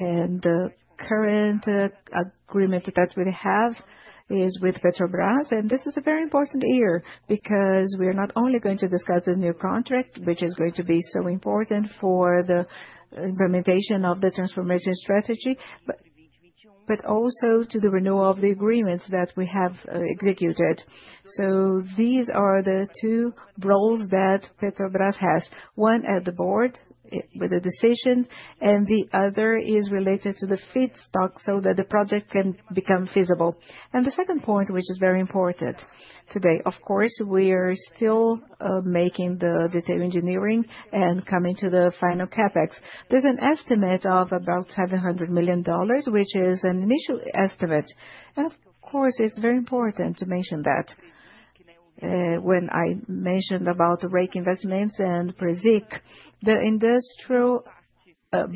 B: The current agreement that we have is with Petrobras. This is a very important year because we are not only going to discuss the new contract, which is going to be so important for the implementation of the transformation strategy, but also the renewal of the agreements that we have executed. These are the two roles that Petrobras has, one at the board with a decision, and the other is related to the feedstock so that the project can become feasible. The second point, which is very important today, of course, we are still making the detail engineering and coming to the final CapEx. There's an estimate of about $700 million, which is an initial estimate. It's very important to mention that when I mentioned about the REIQ investments and PRESIQ, the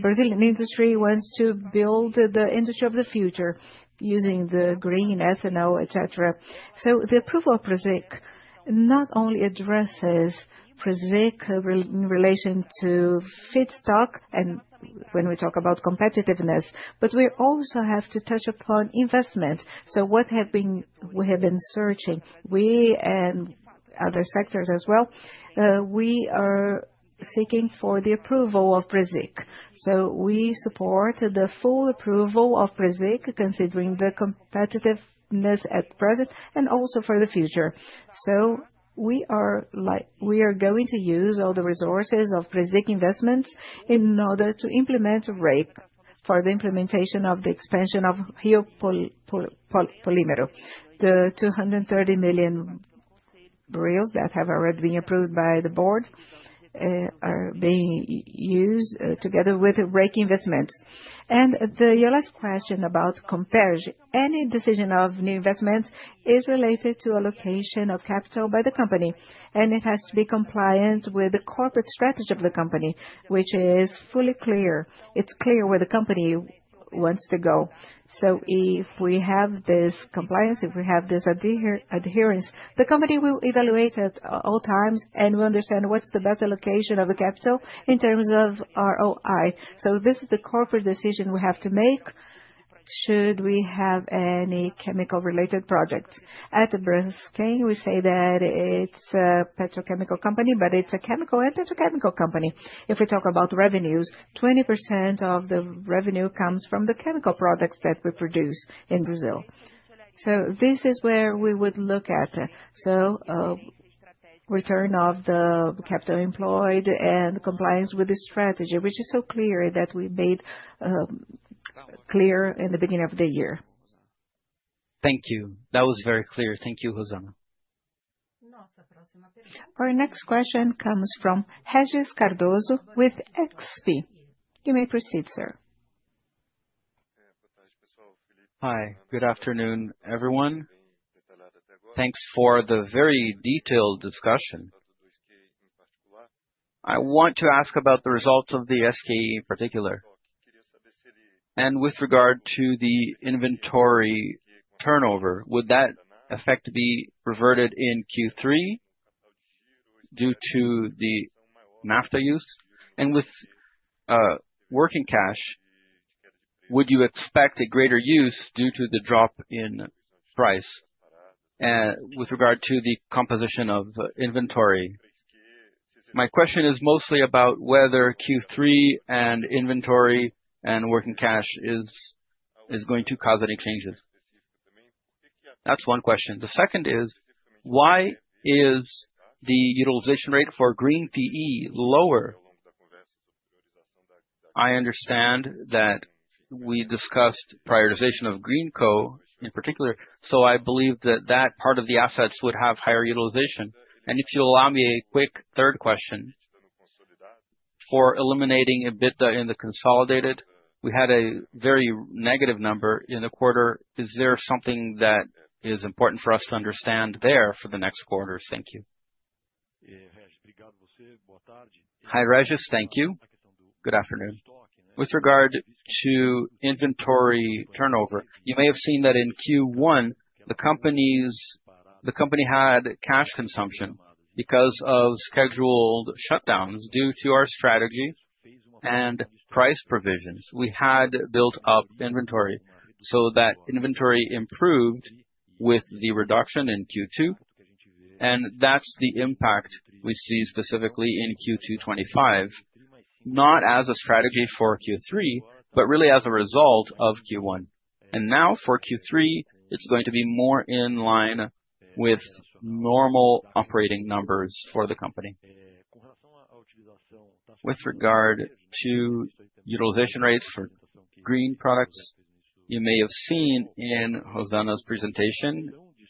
B: Brazilian industry wants to build the industry of the future using the green ethanol, etc. The approval of Preseka not only addresses PRESIQ in relation to feedstock and when we talk about competitiveness, but we also have to touch upon investment. We have been searching, we and other sectors as well, we are seeking for the approval of PRESIQ. We support the full approval of PRESIQ considering the competitiveness at present and also for the future. We are going to use all the resources of PRESIQ investments in order to implement REIQ for the implementation of the expansion of Rio Polímeros. The R$230 million that have already been approved by the board are being used together with the REIQ investments. Your last question about comparison any decision of new investments is related to allocation of capital by the company. It has to be compliant with the corporate strategy of the company, which is fully clear. It's clear where the company wants to go. If we have this compliance, if we have this adherence, the company will evaluate at all times and will understand what's the best allocation of the capital in terms of ROI. This is the corporate decision we have to make. Should we have any chemical-related products? At Braskem, we say that it's a petrochemical company, but it's a chemical and petrochemical company. If we talk about revenues, 20% of the revenue comes from the chemical products that we produce in Brazil. This is where we would look at. The return of the capital employed and compliance with the strategy, which is so clear that we made clear in the beginning of the year.
L: Thank you. That was very clear. Thank you, Rosana.
A: Our next question comes from Regis Cardoso with XP. You may proceed, sir.
M: Hi. Good afternoon, everyone. Thanks for the very detailed discussion. I want to ask about the results of the SKE in particular. With regard to the inventory turnover, would that effect be reverted in Q3 due to the naphtha use? With working cash, would you expect a greater use due to the drop in price with regard to the composition of inventory? My question is mostly about whether Q3 and inventory and working cash is going to cause any changes. That's one question. The second is, why is the utilization rate for green PE lower? I understand that we discussed prioritization of green coal in particular. I believe that that part of the assets would have higher utilization. If you allow me a quick third question, for eliminating EBITDA in the consolidated, we had a very negative number in the quarter. Is there something that is important for us to understand there for the next quarter? Thank you.
D: Hi, Regis. Thank you. Good afternoon. With regard to inventory turnover, you may have seen that in Q1, the company had cash consumption because of scheduled shutdowns due to our strategy and price provisions. We had built up inventory so that inventory improved with the reduction in Q2. That's the impact we see specifically in Q2 2025, not as a strategy for Q3, but really as a result of Q1. Now for Q3, it's going to be more in line with normal operating numbers for the company. With regard to utilization rates for green products, you may have seen in Rosana's presentation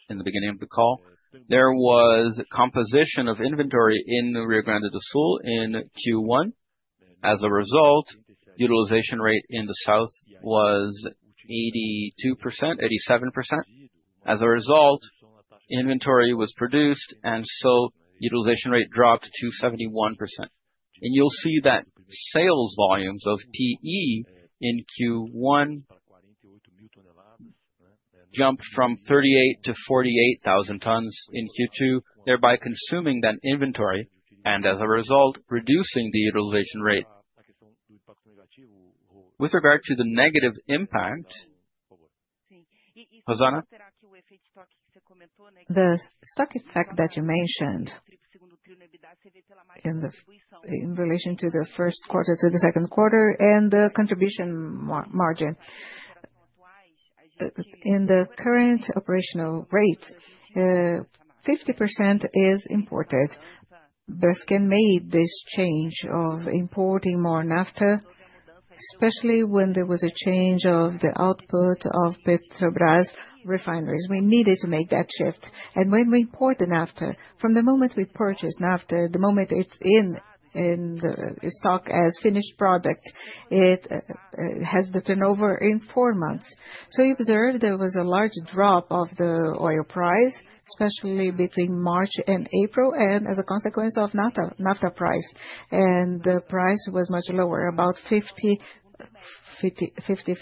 D: in the beginning of the call, there was a composition of inventory in Rio Grande do Sul in Q1. As a result, the utilization rate in the south was 82%, 87%. As a result, inventory was produced, and the utilization rate dropped to 71%. You'll see that sales volumes of PE in Q1 jumped from 38,000-48,000 tons in Q2, thereby consuming that inventory and as a result, reducing the utilization rate. With regard to the negative impact, Rosana?
B: The stock effect that you mentioned, in relation to the first quarter to the second quarter and the contribution margin. In the current operational rate, 50% is imported. Braskem made this change of importing more naphtha, especially when there was a change of the output of Petrobras refineries. We needed to make that shift. When we import the naphtha, from the moment we purchase naphtha, the moment it's in the stock as finished product, it has the turnover in four months. You observed there was a large drop of the oil price, especially between March and April, and as a consequence of naphtha price. The price was much lower, about $550.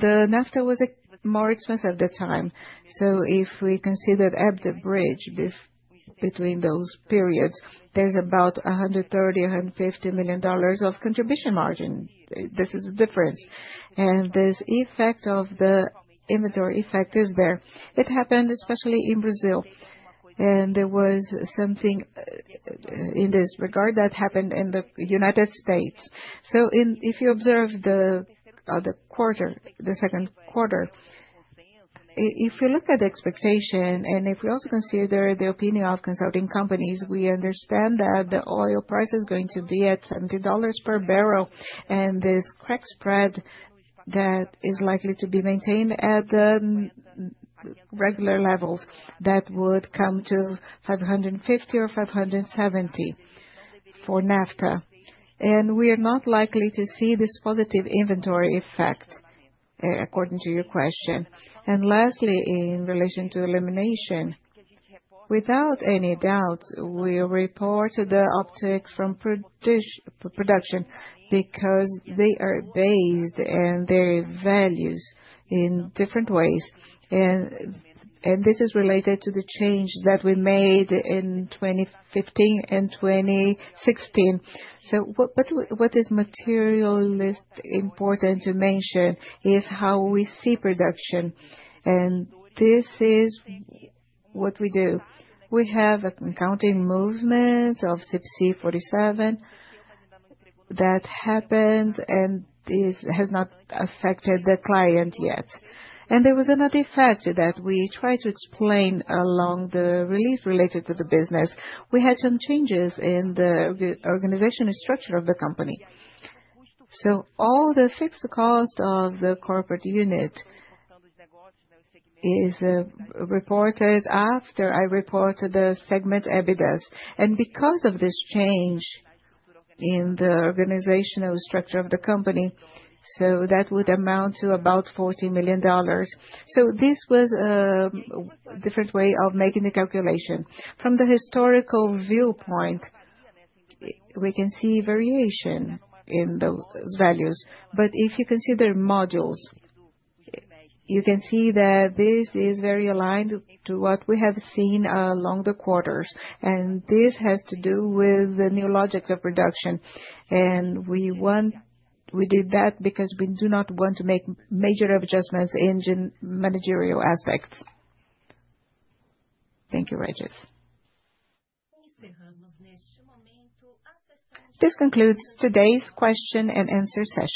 B: The naphtha was more expensive at the time. If we considered EBITDA bridge between those periods, there's about $130 million, $150 million of contribution margin. This is the difference. This effect of the inventory effect is there. It happened especially in Brazil. There was something in this regard that happened in the United States. If you observe the quarter, the second quarter, if you look at the expectation and if we also consider the opinion of consulting companies, we understand that the oil price is going to be at $70 per barrel. This crack spread that is likely to be maintained at the regular levels, that would come to $550 or $570 for naphtha. We are not likely to see this positive inventory effect, according to your question. Lastly, in relation to elimination, without any doubt, we report the uptick from production because they are based in their values in different ways. This is related to the change that we made in 2015 and 2016. What is materially important to mention is how we see production. This is what we do. We have an accounting movement of Subsea 47 that happened, and this has not affected the client yet. There was another effect that we tried to explain along the release related to the business. We had some changes in the organizational structure of the company. All the fixed cost of the corporate unit is reported after I reported the segment EBITDA. Because of this change in the organizational structure of the company, that would amount to about $40 million. This was a different way of making the calculation. From the historical viewpoint, we can see variation in those values. If you consider modules, you can see that this is very aligned to what we have seen along the quarters. This has to do with the new logics of production. We did that because we do not want to make major adjustments in managerial aspects. Thank you, Regis.
A: This concludes today's question and answer session.